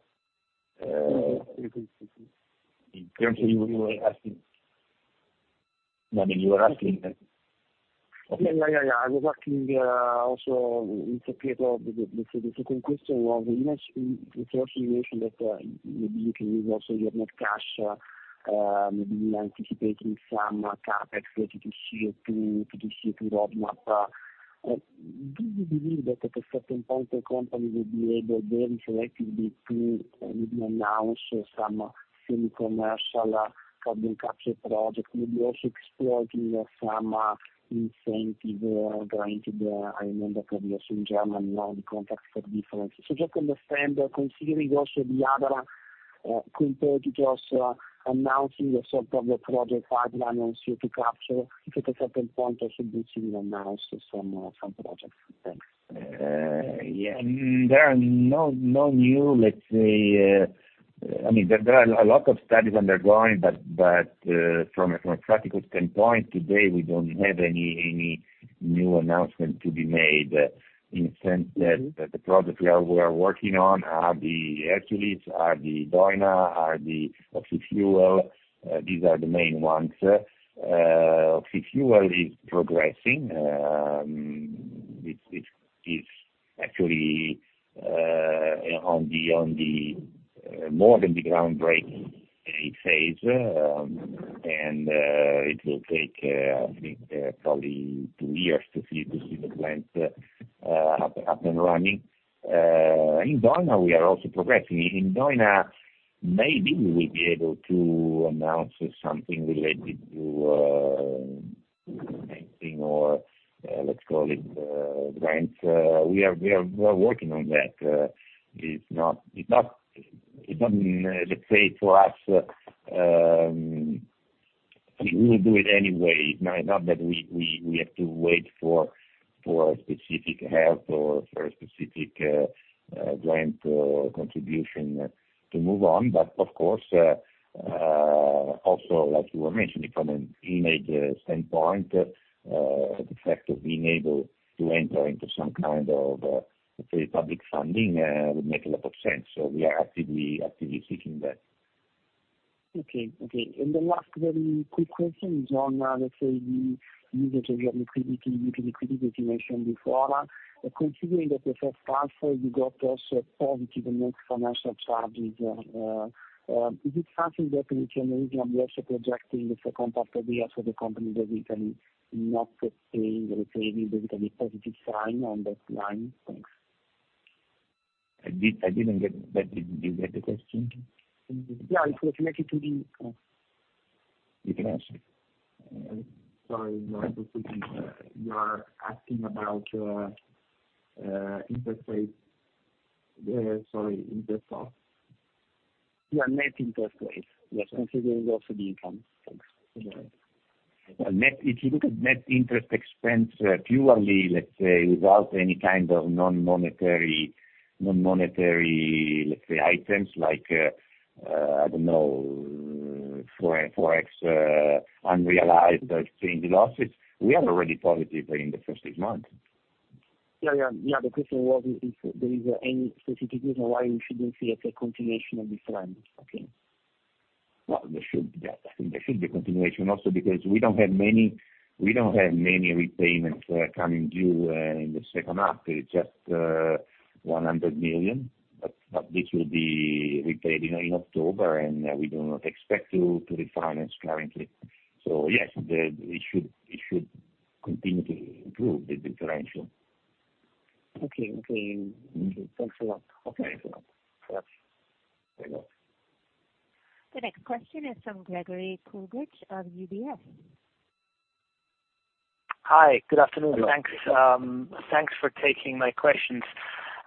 Currently, you were asking? I mean, you were asking. Yeah, yeah, yeah. I was asking, also in the paper, the, the, the second question was, you know, it's also way that maybe you can use also your net cash, maybe anticipating some CapEx related to CO2, to the CO2 roadmap. Do you believe that at a certain point, the company will be able then relatively to announce some semi commercial carbon capture project? Will be also exploring some incentive, granted, I remember, obviously in Germany, now, the contract for difference. Just understanding or considering also the other competitors announcing the sort of project pipeline on CO2 capture, if at a certain point, also will soon announce some projects. Thanks. Yeah. There are no, no new, let's say, I mean, there, there are a lot of studies undergoing, but, but from a, from a practical standpoint, today, we don't have any, any new announcement to be made. In the sense that the projects we are, we are working on are the Hercules, are the Doina, are the oxyfuel. These are the main ones. Oxyfuel is progressing, which is, is actually, on the, on the, more than the groundbreaking phase, and it will take, I think, probably two years to see, to see the plant, up, up, and running. In Doina, we are also progressing. In Doina, maybe we will be able to announce something related to, I think, or, let's call it, grants. We are working on that. It's not, it's not, it doesn't, let's say, to us, we will do it anyway. Not, not that we, we, we have to wait for, for a specific help or for a specific, grant or contribution to move on. Of course, also, like you were mentioning, from an image standpoint, the fact of being able to enter into some kind of, let's say, public funding, would make a lot of sense. We are actively, actively seeking that. Okay, okay. The last very quick question is on, let's say, the use of your liquidity, liquidity, as you mentioned before. Considering that the first half, you got also a positive net financial charges, is it something that you can maybe also projecting the second half of the year for the company, that we can not say, let's say, there is any positive sign on that line? Thanks. I didn't get that. Did you get the question? Yeah, it related to the... You can ask. Sorry, no, you are asking about interest rate, sorry, interest cost? Yeah, net interest rates. Yes, considering also the income. Thanks. Net, if you look at net interest expense purely, let's say, without any kind of non-monetary, non-monetary, let's say, items like, I don't know, forex, unrealized exchange losses, we are already positive in the first six months. Yeah, yeah. Yeah, the question was if there is any specific reason why we shouldn't see it, a continuation of this trend. Okay. Well, there should, yeah, I think there should be continuation also because we don't have many, we don't have many repayments coming due in the second half. It's just 100 million, but this will be repaid in October. We do not expect to refinance currently. Yes, it should, it should continue to improve the differential. Okay, okay. Thanks a lot. Okay. Thanks. The next question is from Gregory Kuglitsch of UBS. Hi. Good afternoon. Hello. Thanks, thanks for taking my questions.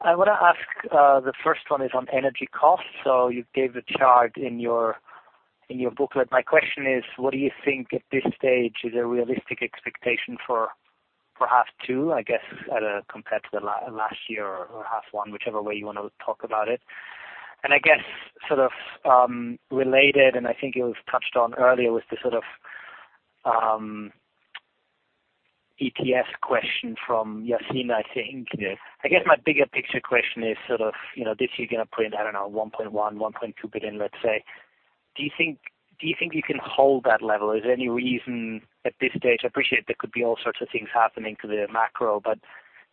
I want to ask, the first one is on energy costs. You gave the chart in your, in your booklet. My question is: What do you think at this stage is a realistic expectation for, for half two, I guess, at a compared to the last year or half one, whichever way you want to talk about it? I guess sort of, related, and I think it was touched on earlier, was the sort of, ETS question from Yasin, I think. Yes. I guess my bigger picture question is sort of, you know, this year going to put in, I don't know, 1.1 billion-1.2 billion, let's say. Do you think, do you think you can hold that level? Is there any reason at this stage, I appreciate there could be all sorts of things happening to the macro, but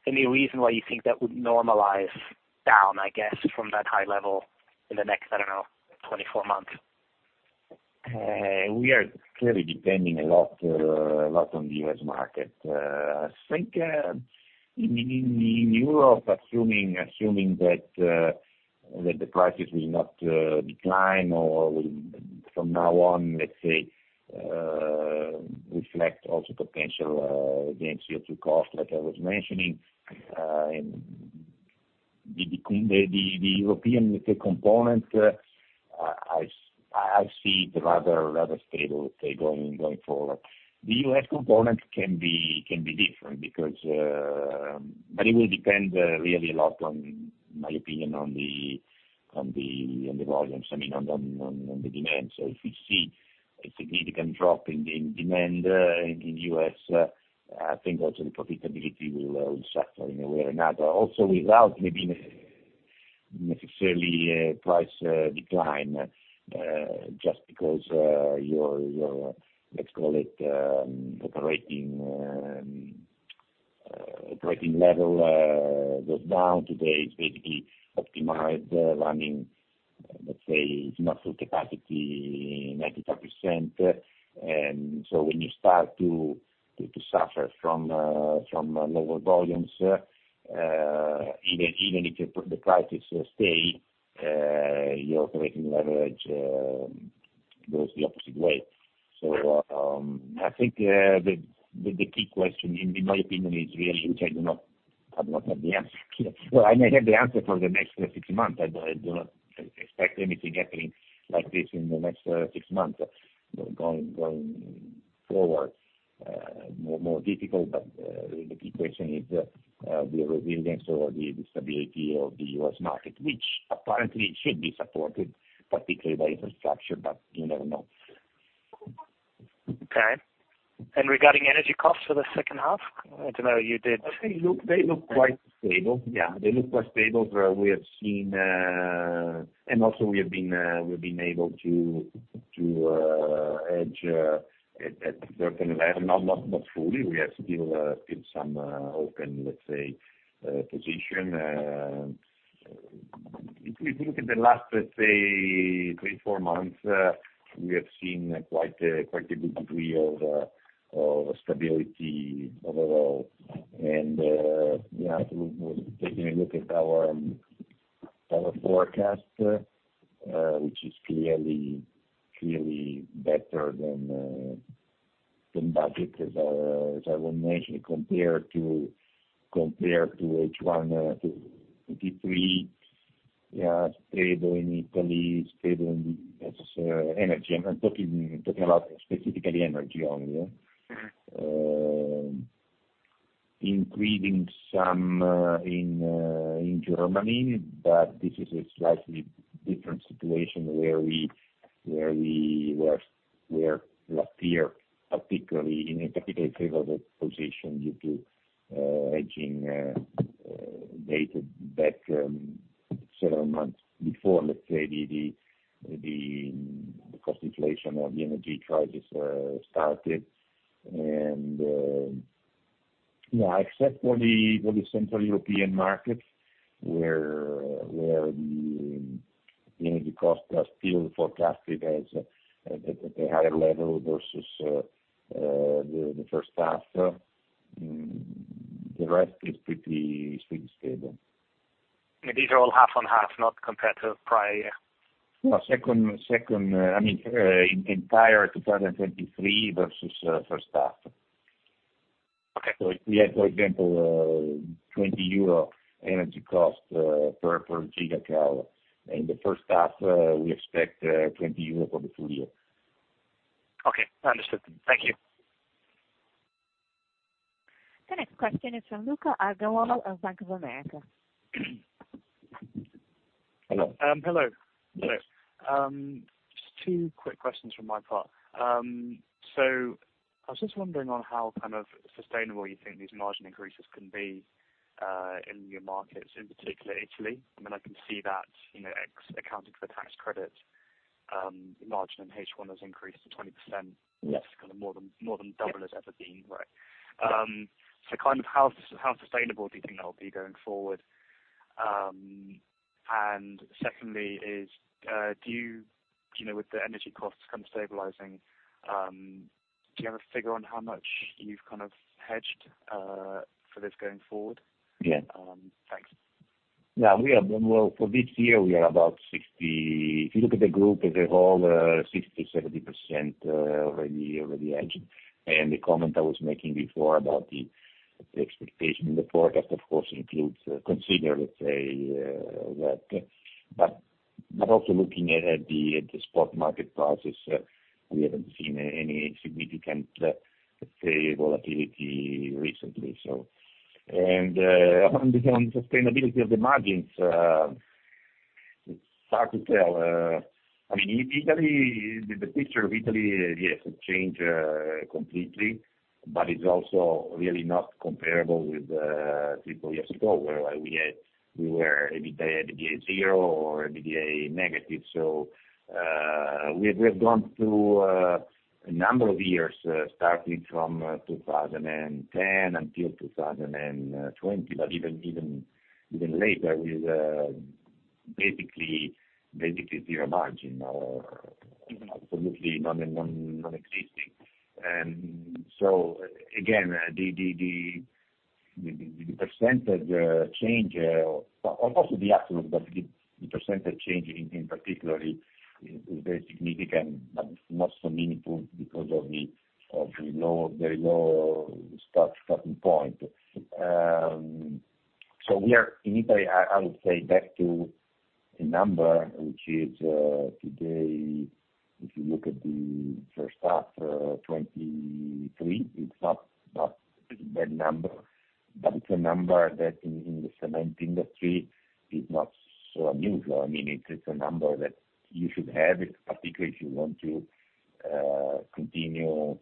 any reason why you think that would normalize down, I guess, from that high level in the next, I don't know, 24 months? We are clearly depending a lot, a lot on the U.S. market. I think, in, in, in Europe, assuming, assuming that the prices will not decline or from now on, let's say, reflect also potential the CO2 cost, like I was mentioning, and the, the, the, the European component, I, I see it rather, rather stable, say, going, going forward. The U.S. component can be, can be different because... It will depend really a lot on, my opinion on the, on the volumes, I mean on the demand. If we see a significant drop in the demand, in, in U.S., I think also the profitability will suffer in a way or another. Also without maybe necessarily price decline, just because your, your, let's call it, operating level goes down. Today, it's basically optimized running, let's say, it's not full capacity, 95%. When you start to suffer from lower volumes, even if the prices stay, your operating leverage goes the opposite way. I think the key question, in my opinion, is really, which I do not have the answer. Well, I may have the answer for the next six months. I do not expect anything happening like this in the next six months going forward, more difficult. The key question is the resilience or the stability of the U.S. market, which apparently should be supported, particularly by infrastructure, but you never know. Okay. Regarding energy costs for the second half? They look, they look quite stable. Yeah, they look quite stable. Where we have seen. Also we have been, we've been able to, to hedge, at, at a certain leve not fully. We have still some open, let's say, position. If we think in the last, let's say, 3, 4 months, we have seen quite a, quite a good degree of stability overall. Yeah, taking a look at our forecast, which is clearly, clearly better than budget, as I, as I would mention, compared to, compared to H1 2023. Yeah, stable in Italy, stable in, as, energy. I'm talking about specifically energy only, yeah? Increasing some in Germany, but this is a slightly different situation where we, where we were, where last year, particularly in a particularly favorable position due to hedging data back several months before, let's say, the cost inflation of the energy charges started. Yeah, except for the Central European markets, where the, you know, the costs are still forecasted as at at a higher level versus the first half. The rest is pretty, pretty stable. These are all half on half, not compared to prior year? No, second, I mean, entire 2023 versus first half. Okay. If we had, for example, 20 euro energy cost, per, per gigacal in the first half, we expect 20 euro for the full year. Okay, understood. Thank you. The next question is from [audio distortion] of Bank of America. Hello. Hello. Hello. Just two quick questions from my part. I was just wondering on how kind of sustainable you think these margin increases can be in your markets, in particular Italy? I mean, I can see that, you know, accounting for the tax credit, margin in H1 has increased to 20%. Yes. Kind of more than double. Yes has ever been. Right. Kind of how, how sustainable do you think that will be going forward? Secondly is, do you, you know, with the energy costs kind of stabilizing, do you have a figure on how much you've kind of hedged for this going forward? Yeah. Thanks. Well, for this year, we are about 60%. If you look at the group as a whole, 60%-70% already hedged. The comment I was making before about the expectation in the forecast, of course, includes, consider that. Also looking at the spot market prices, we haven't seen any significant volatility recently. On the sustainability of the margins, it's hard to tell. I mean, Italy, the picture of Italy, yes, it changed completely, but it's also really not comparable with three, four years ago, where we were EBITDA zero or EBITDA negative. We've gone through a number of years, starting from 2010 until 2020, but even later with basically zero margin or even absolutely non-existent. Again, the percentage change, or also the absolute, but the percentage change in particular is very significant, but not so meaningful because of the low, very low starting point. We are in Italy, I would say back to a number, which is today, if you look at the H1 2023, it's not a bad number. But it's a number that in the cement industry is not so unusual. I mean, it's, it's a number that you should have, particularly if you want to continue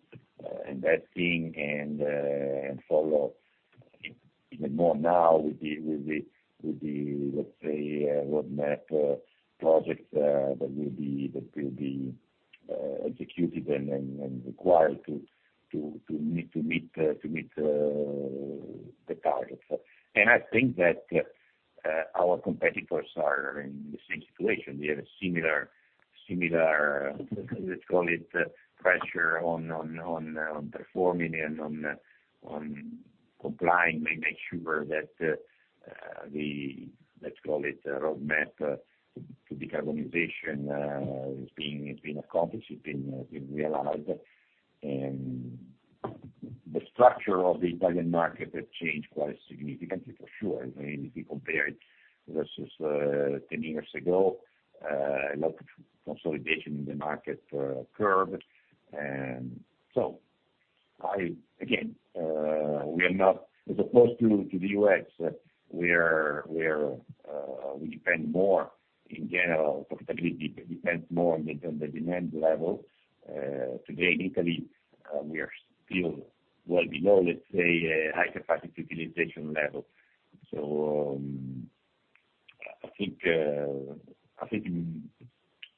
investing and follow even more now with the, with the, with the, let's say, roadmap projects that will be, that will be executed and, and, and required to, to, to meet, to meet, to meet the targets. I think that our competitors are in the same situation. They have a similar, similar, let's call it, pressure on, on, on, on performing and on, on complying, make sure that the, let's call it, roadmap to decarbonization is being, is being accomplished, it's being, being realized. The structure of the Italian market has changed quite significantly, for sure. I mean, if you compare it versus 10 years ago, a lot of consolidation in the market occurred. I, again, we are not, as opposed to, to the U.S., we are, we are, we depend more in general, profitability depends more on the demand level. Today, in Italy, we are still well below, let's say, a high capacity utilization level. I think, I think it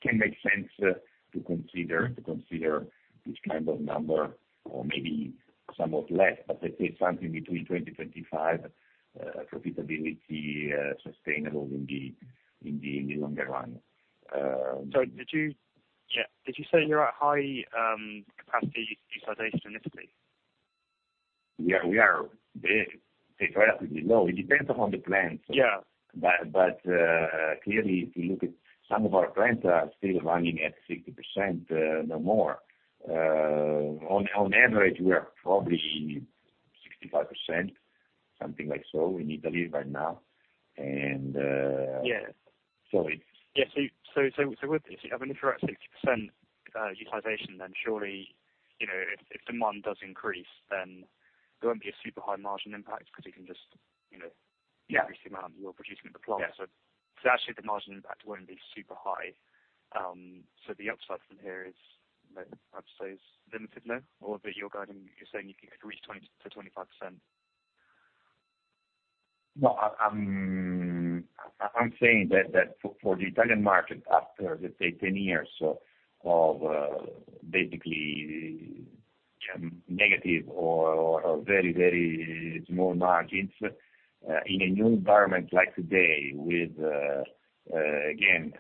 can make sense to consider, to consider this kind of number or maybe somewhat less, but let's say something between 20-25% profitability sustainable in the, in the longer run. Yeah, did you say you're at high capacity utilization in Italy? Yeah, we are very, relatively low. It depends on the plants. Yeah. Clearly, if you look at some of our plants are still running at 60%, no more. On average, we are probably 65%, something like so in Italy right now. Yeah. Sorry. Yeah, what if you have a 60% utilization, then surely, you know, if, if demand does increase, then there won't be a super high margin impact, because you can just, you know increase the amount you are producing at the plant. Yeah. Actually, the margin impact won't be super high. The upside from here is, I'd say, is limited now, or that you're guiding, you're saying you can reach 20%-25%? No, I'm saying that, that for, for the Italian market, after, let's say, 10 years of, basically, negative or, or very, very small margins, in a new environment like today, with, again,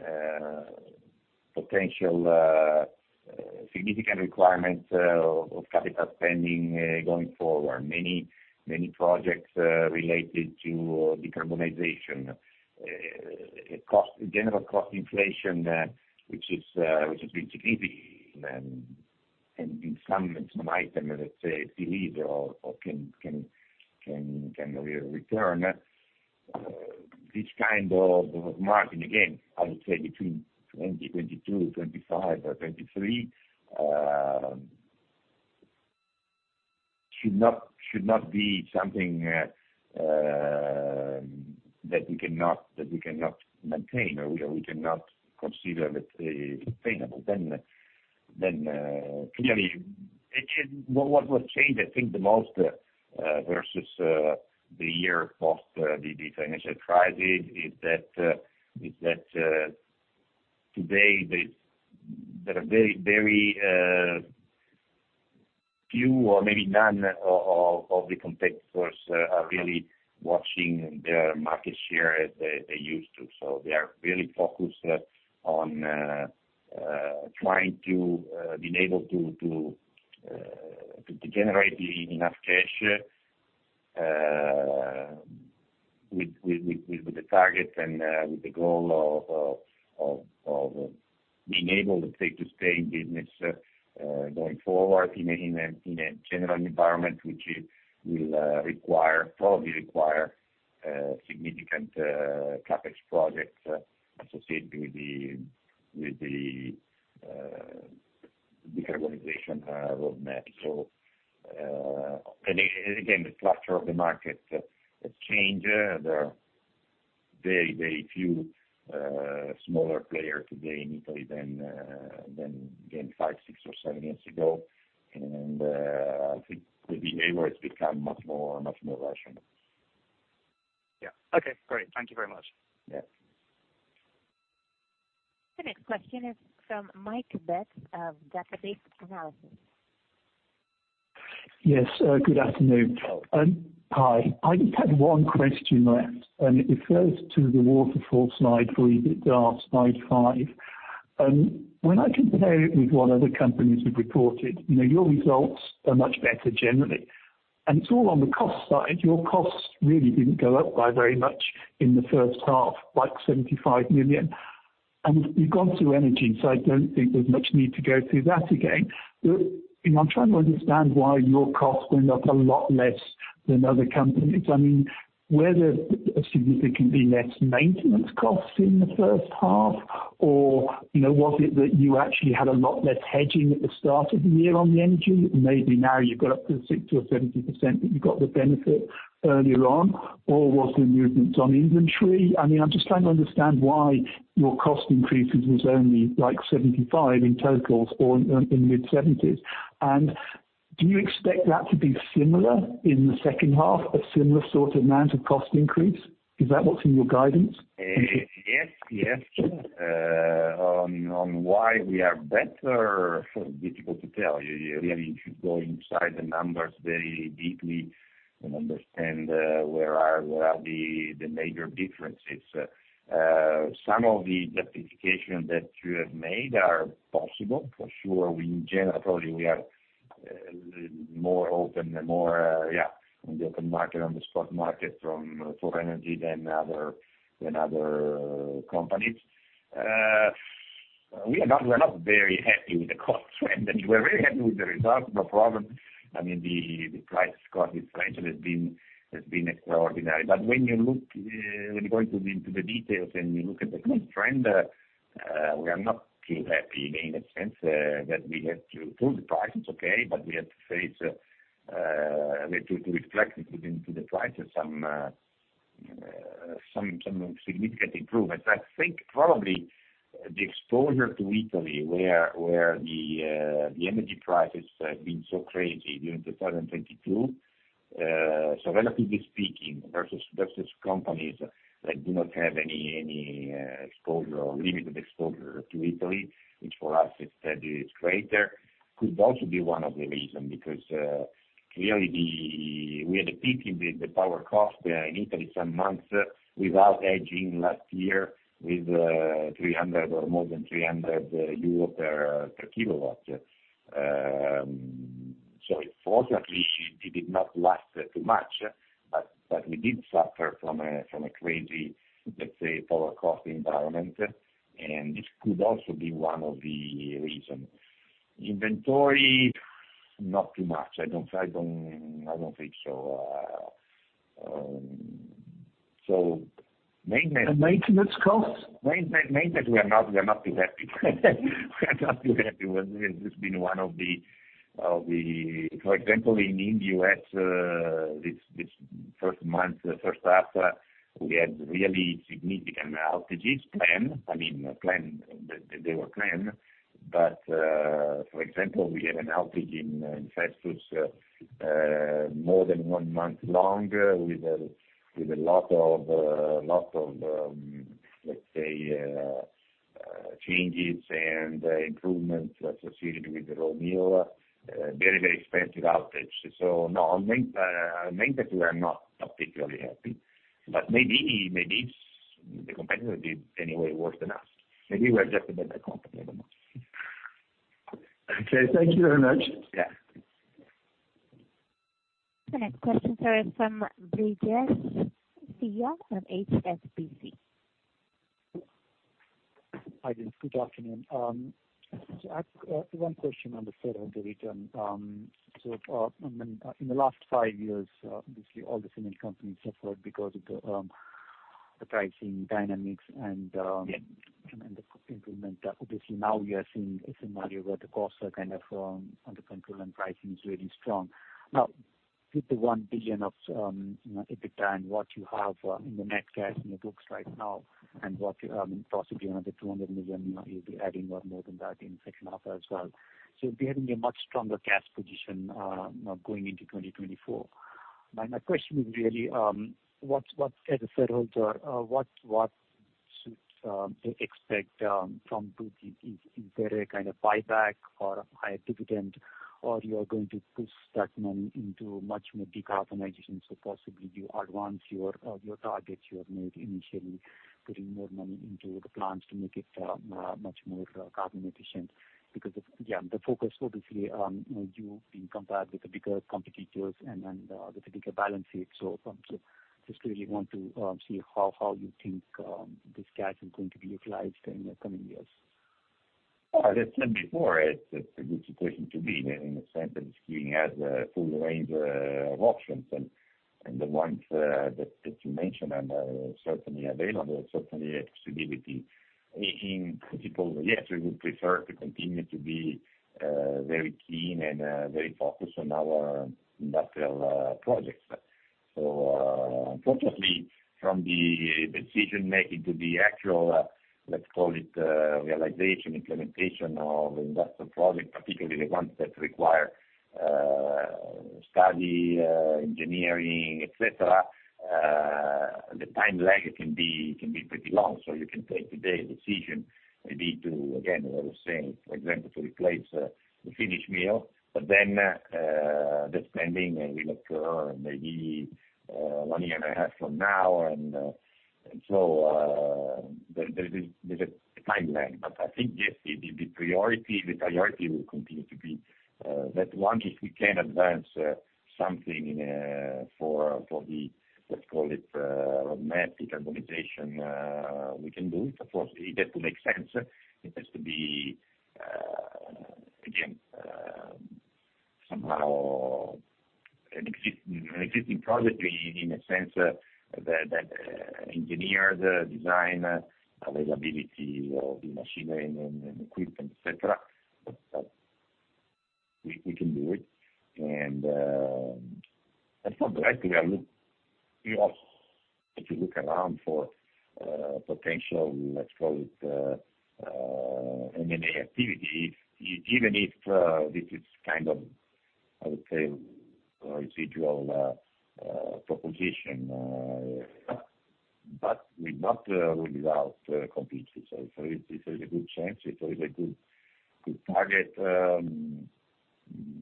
potential, significant requirements, of capital spending, going forward, many, many projects, related to decarbonization, cost - general cost inflation, which is, which has been significant, and in some, in some item, let's say, relieve or, or can, can, can, can return. This kind of margin, again, I would say between 20, 22, 25, or 23, should not, should not be something, that we cannot, that we cannot maintain, or we cannot consider, let's say, sustainable. Then, clearly, it is. What would change, I think, the most versus the year of the financial crisis is that today there are very, very few or maybe none of the competitors are really watching their market share as they used to. They are really focused on trying to being able to generate enough cash with the target and with the goal of being able to take, to stay in business going forward in a general environment, which is, will require, probably require significant CapEx projects associated with the decarbonization roadmap. Again, the structure of the market has changed. There are very, very few, smaller players today in Italy than, again, five, six or seven years ago. I think the behavior has become much more, much more rational. Yeah. Okay, great. Thank you very much. Yeah. The next question is from. [audio distortion] Yes, good afternoon. Hi. I just had one question left, and it refers to the waterfall slide where you did slide five. When I compare it with what other companies have reported, you know, your results are much better generally, and it's all on the cost side. Your costs really didn't go up by very much in the first half, like 75 million. You've gone through energy, so I don't think there's much need to go through that again. You know, I'm trying to understand why your costs went up a lot less than other companies. I mean, were there significantly less maintenance costs in the first half, or, you know, was it that you actually had a lot less hedging at the start of the year on the energy? Maybe now you've got up to 6% or 70%, but you got the benefit earlier on, or was the movements on inventory? I mean, I'm just trying to understand why your cost increases was only, like, 75 in total or in mid-70s. Do you expect that to be similar in the second half, a similar sort of amount of cost increase? Is that what's in your guidance? Yes, yes. On, on why we are better, difficult to tell. You really should go inside the numbers very deeply and understand where are, where are the major differences. Some of the justification that you have made are possible. For sure, we in generally, we are more open and more, yeah, in the open market, on the spot market from, for energy than other, than other companies. We are not, we're not very happy with the cost trend, and we're very happy with the results, no problem. I mean, the, the price cost has been, has been extraordinary. When you look, when you go into the details and you look at the clear trend, we are not too happy in a sense that we have to pull the prices, okay? We have to face, we to, reflect it within to the prices some, some, some significant improvements. I think probably the exposure to Italy, where, where the energy prices have been so crazy during 2022. So relatively speaking, versus, versus companies that do not have any, any exposure or limited exposure to Italy, which for us is greater, could also be one of the reason, because clearly the... We had a peak in the power cost in Italy some months without hedging last year, with 300 or more than 300 euro per kilowatt. So fortunately, it did not last too much, but we did suffer from a, from a crazy, let's say, power cost environment, and this could also be one of the reason. Inventory, not too much. I don't think so. maintenance- Maintenance costs? Maintenance, maintenance, we are not, we are not too happy. We are not too happy with it. It's been one of the, of the. For example, in the U.S., this, this first month, first half, we had really significant outages, planned. I mean, planned, they, they were planned, but, for example, we had an outage in Festus, more than 1 month long, with a, with a lot of, lot of, let's say, changes and improvements associated with the raw meal. Very, very expensive outage. No, on main, maintenance, we are not particularly happy, but maybe, maybe the competitor did anyway worse than us. Maybe we are just a better company, I don't know. Okay, thank you very much. Yeah. The next question is from Vijay Singh of HSBC. Hi, good afternoon. I have one question on the set of the return. I mean, in the last five years, obviously all the cement companies suffered because of the pricing dynamics and the improvement. Obviously, now we are seeing a scenario where the costs are kind of under control, and pricing is really strong. With the 1 billion of, you know, EBITDA and what you have in the net cash in the books right now, and what you possibly another 200 million, you'll be adding or more than that in second half as well. You're having a much stronger cash position going into 2024. My, my question is really, what's, what's as a shareholder, what, what should they expect from Buzzi? Is, is there a kind of buyback or higher dividend, or you are going to push that money into much more decarbonization, so possibly you advance your, your targets you have made initially, putting more money into the plants to make it, much more carbon efficient? Because, yeah, the focus obviously on you being compared with the bigger competitors and then, the bigger balance sheet. Just really want to see how you think this cash is going to be utilized in the coming years. Well, I said before, it's a good situation to be in, in the sense that we have a full range of options, and the ones that you mentioned are certainly available, certainly a possibility. In principle, yes, we would prefer to continue to be very keen and very focused on our industrial projects. Unfortunately, from the decision making to the actual, let's call it, realization, implementation of industrial project, particularly the ones that require study, engineering, et cetera, the time lag can be, can be pretty long, so you can take today a decision, maybe to, again, what I was saying, for example, to replace the finish mill, but then the spending will occur maybe one year and a half from now. So, there is, there's a time lag. I think, yes, the priority will continue to be that one, if we can advance something for the, let's call it, roadmap decarbonization, we can do it. Of course, it has to make sense. It has to be again, somehow an existing project in a sense, that engineers, design, availability of the machinery and equipment, et cetera. We can do it. That's not the right way I look. We also, if you look around for potential, let's call it, M&A activity, even if this is kind of, I would say, a residual proposition, we not rule it out completely. So it's, it's a good chance. It's a good target.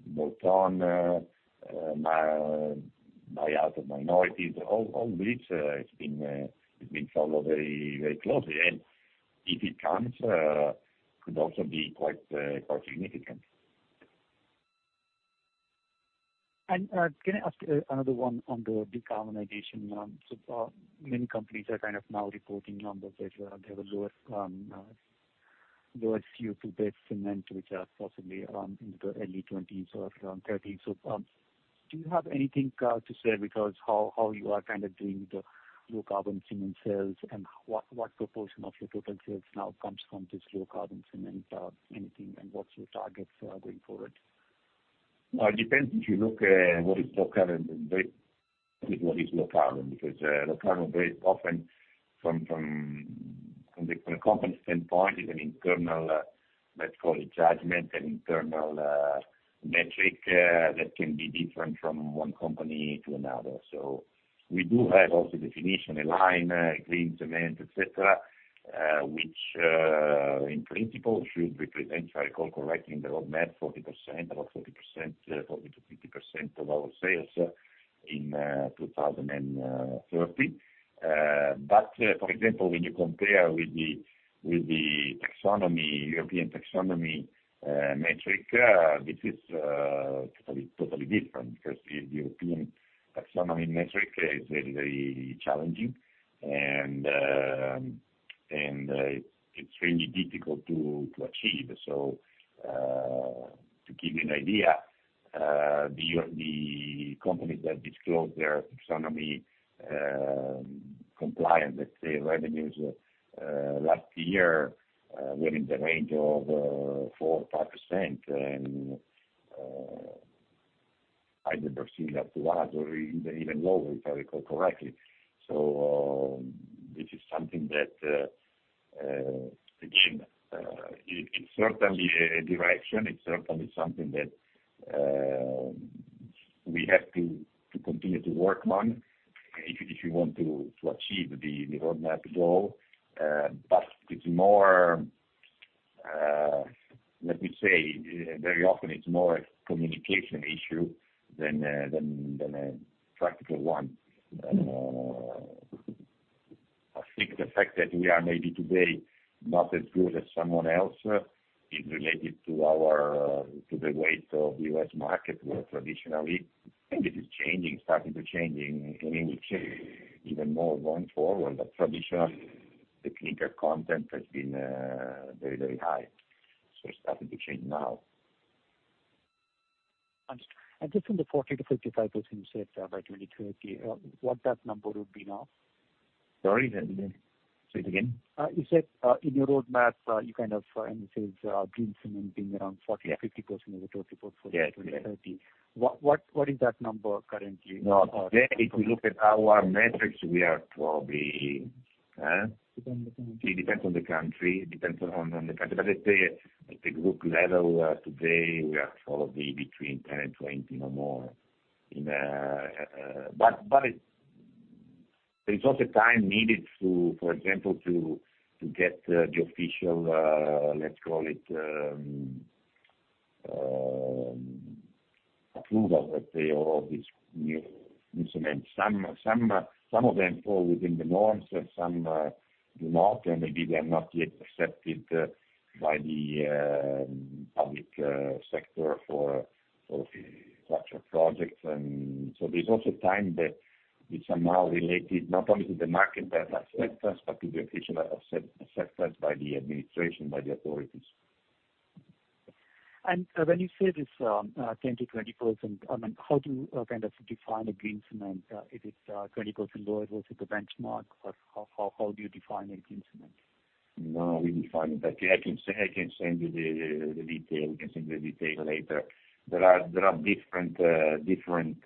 Both on buy out of minorities, all, this, it's been, it's been followed very, very closely. If it comes, could also be quite, quite significant. Can I ask another one on the decarbonization? So far, many companies are kind of now reporting on this, as well. They have a lower, lower CO2-based cement, which are possibly in the early twenties or thirties. Do you have anything to say because how, how you are kind of doing the low carbon cement sales, and what, what proportion of your total sales now comes from this low carbon cement, anything, and what's your targets going forward? Well, it depends. If you look, what is low carbon, very, what is low carbon? Because low carbon very often, from, from, from the, from a company standpoint, is an internal, let's call it, judgment and internal metric that can be different from one company to another. We do have also definition in line, green cement, et cetera, which in principle should be present, if I recall correctly, in the roadmap, 40%, about 40%, 40%-50% of our sales in 2030. For example, when you compare with the, with the taxonomy, European taxonomy, metric, this is totally, totally different. Because the European taxonomy metric is very, very challenging, and, and it's extremely difficult to achieve. To give you an idea, the companies that disclose their taxonomy compliance, let's say, revenues last year were in the range of 4% or 5%, and I did not see that once or even, even lower, if I recall correctly. This is something that again, it's certainly a direction. It's certainly something that we have to continue to work on, if you want to achieve the roadmap goal. But it's more, let me say, very often it's more a communication issue than a practical one. I think the fact that we are maybe today, not as good as someone else, is related to our, to the weight of the U.S. market, where traditionally... Maybe this is changing, starting to changing, and it will change even more going forward. Traditionally, the clinker content has been, very, very high. It's starting to change now. Understood. Just on the 40%-55% by 2030, what that number would be now? Sorry, say it again. You said in your roadmap, you kind of said green cement being around 40%-50% of the total portfolio. Yeah. -by 2030. What, what, what is that number currently? No, today, if you look at our metrics, we are probably, eh? Depends on the country. It depends on the country. Depends on, on the country. Let's say, at the group level, today, we are probably between 10 and 20, no more, in... It's, there's also time needed to, for example, to, to get the official, let's call it, approval, let's say, of this new instrument. Some of them fall within the norms, and some do not, and maybe they are not yet accepted by the public sector for the structural projects. There's also time that is somehow related, not only to the market that accepts us, but to the official accepted by the administration, by the authorities. When you say this, 10%-20%, I mean, how do you, kind of define a green cement? If it's, 20% lower versus the benchmark, or how do you define a green cement? No, we define it. I can send, I can send you the, the, the detail. We can send the detail later. There are, there are different, different,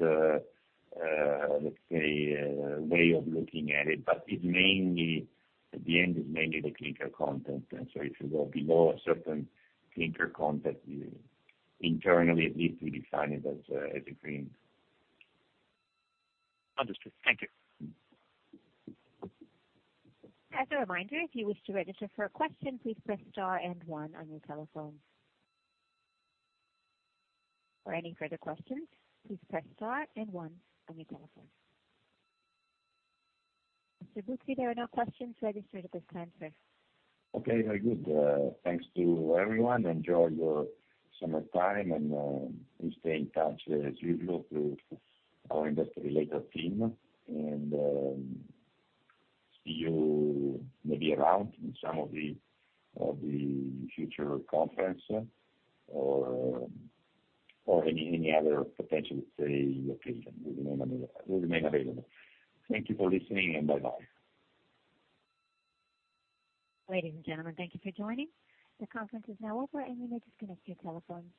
let's say, way of looking at it, but it's mainly, at the end, it's mainly the clinker content. So if you go below a certain clinker content, we internally, at least, we define it as a, as a green. Understood. Thank you. As a reminder, if you wish to register for a question, please press star and one on your telephone. For any further questions, please press star and one on your telephone. Basically, there are no questions registered at this time, sir. Okay, very good. Thanks to everyone. Enjoy your summertime, please stay in touch as usual to our Investor Relations team. See you maybe around in some of the, of the future conference or, or any other potential occasion. We remain available. We remain available. Thank you for listening, bye-bye. Ladies and gentlemen, thank you for joining. The conference is now over, and you may disconnect your telephones.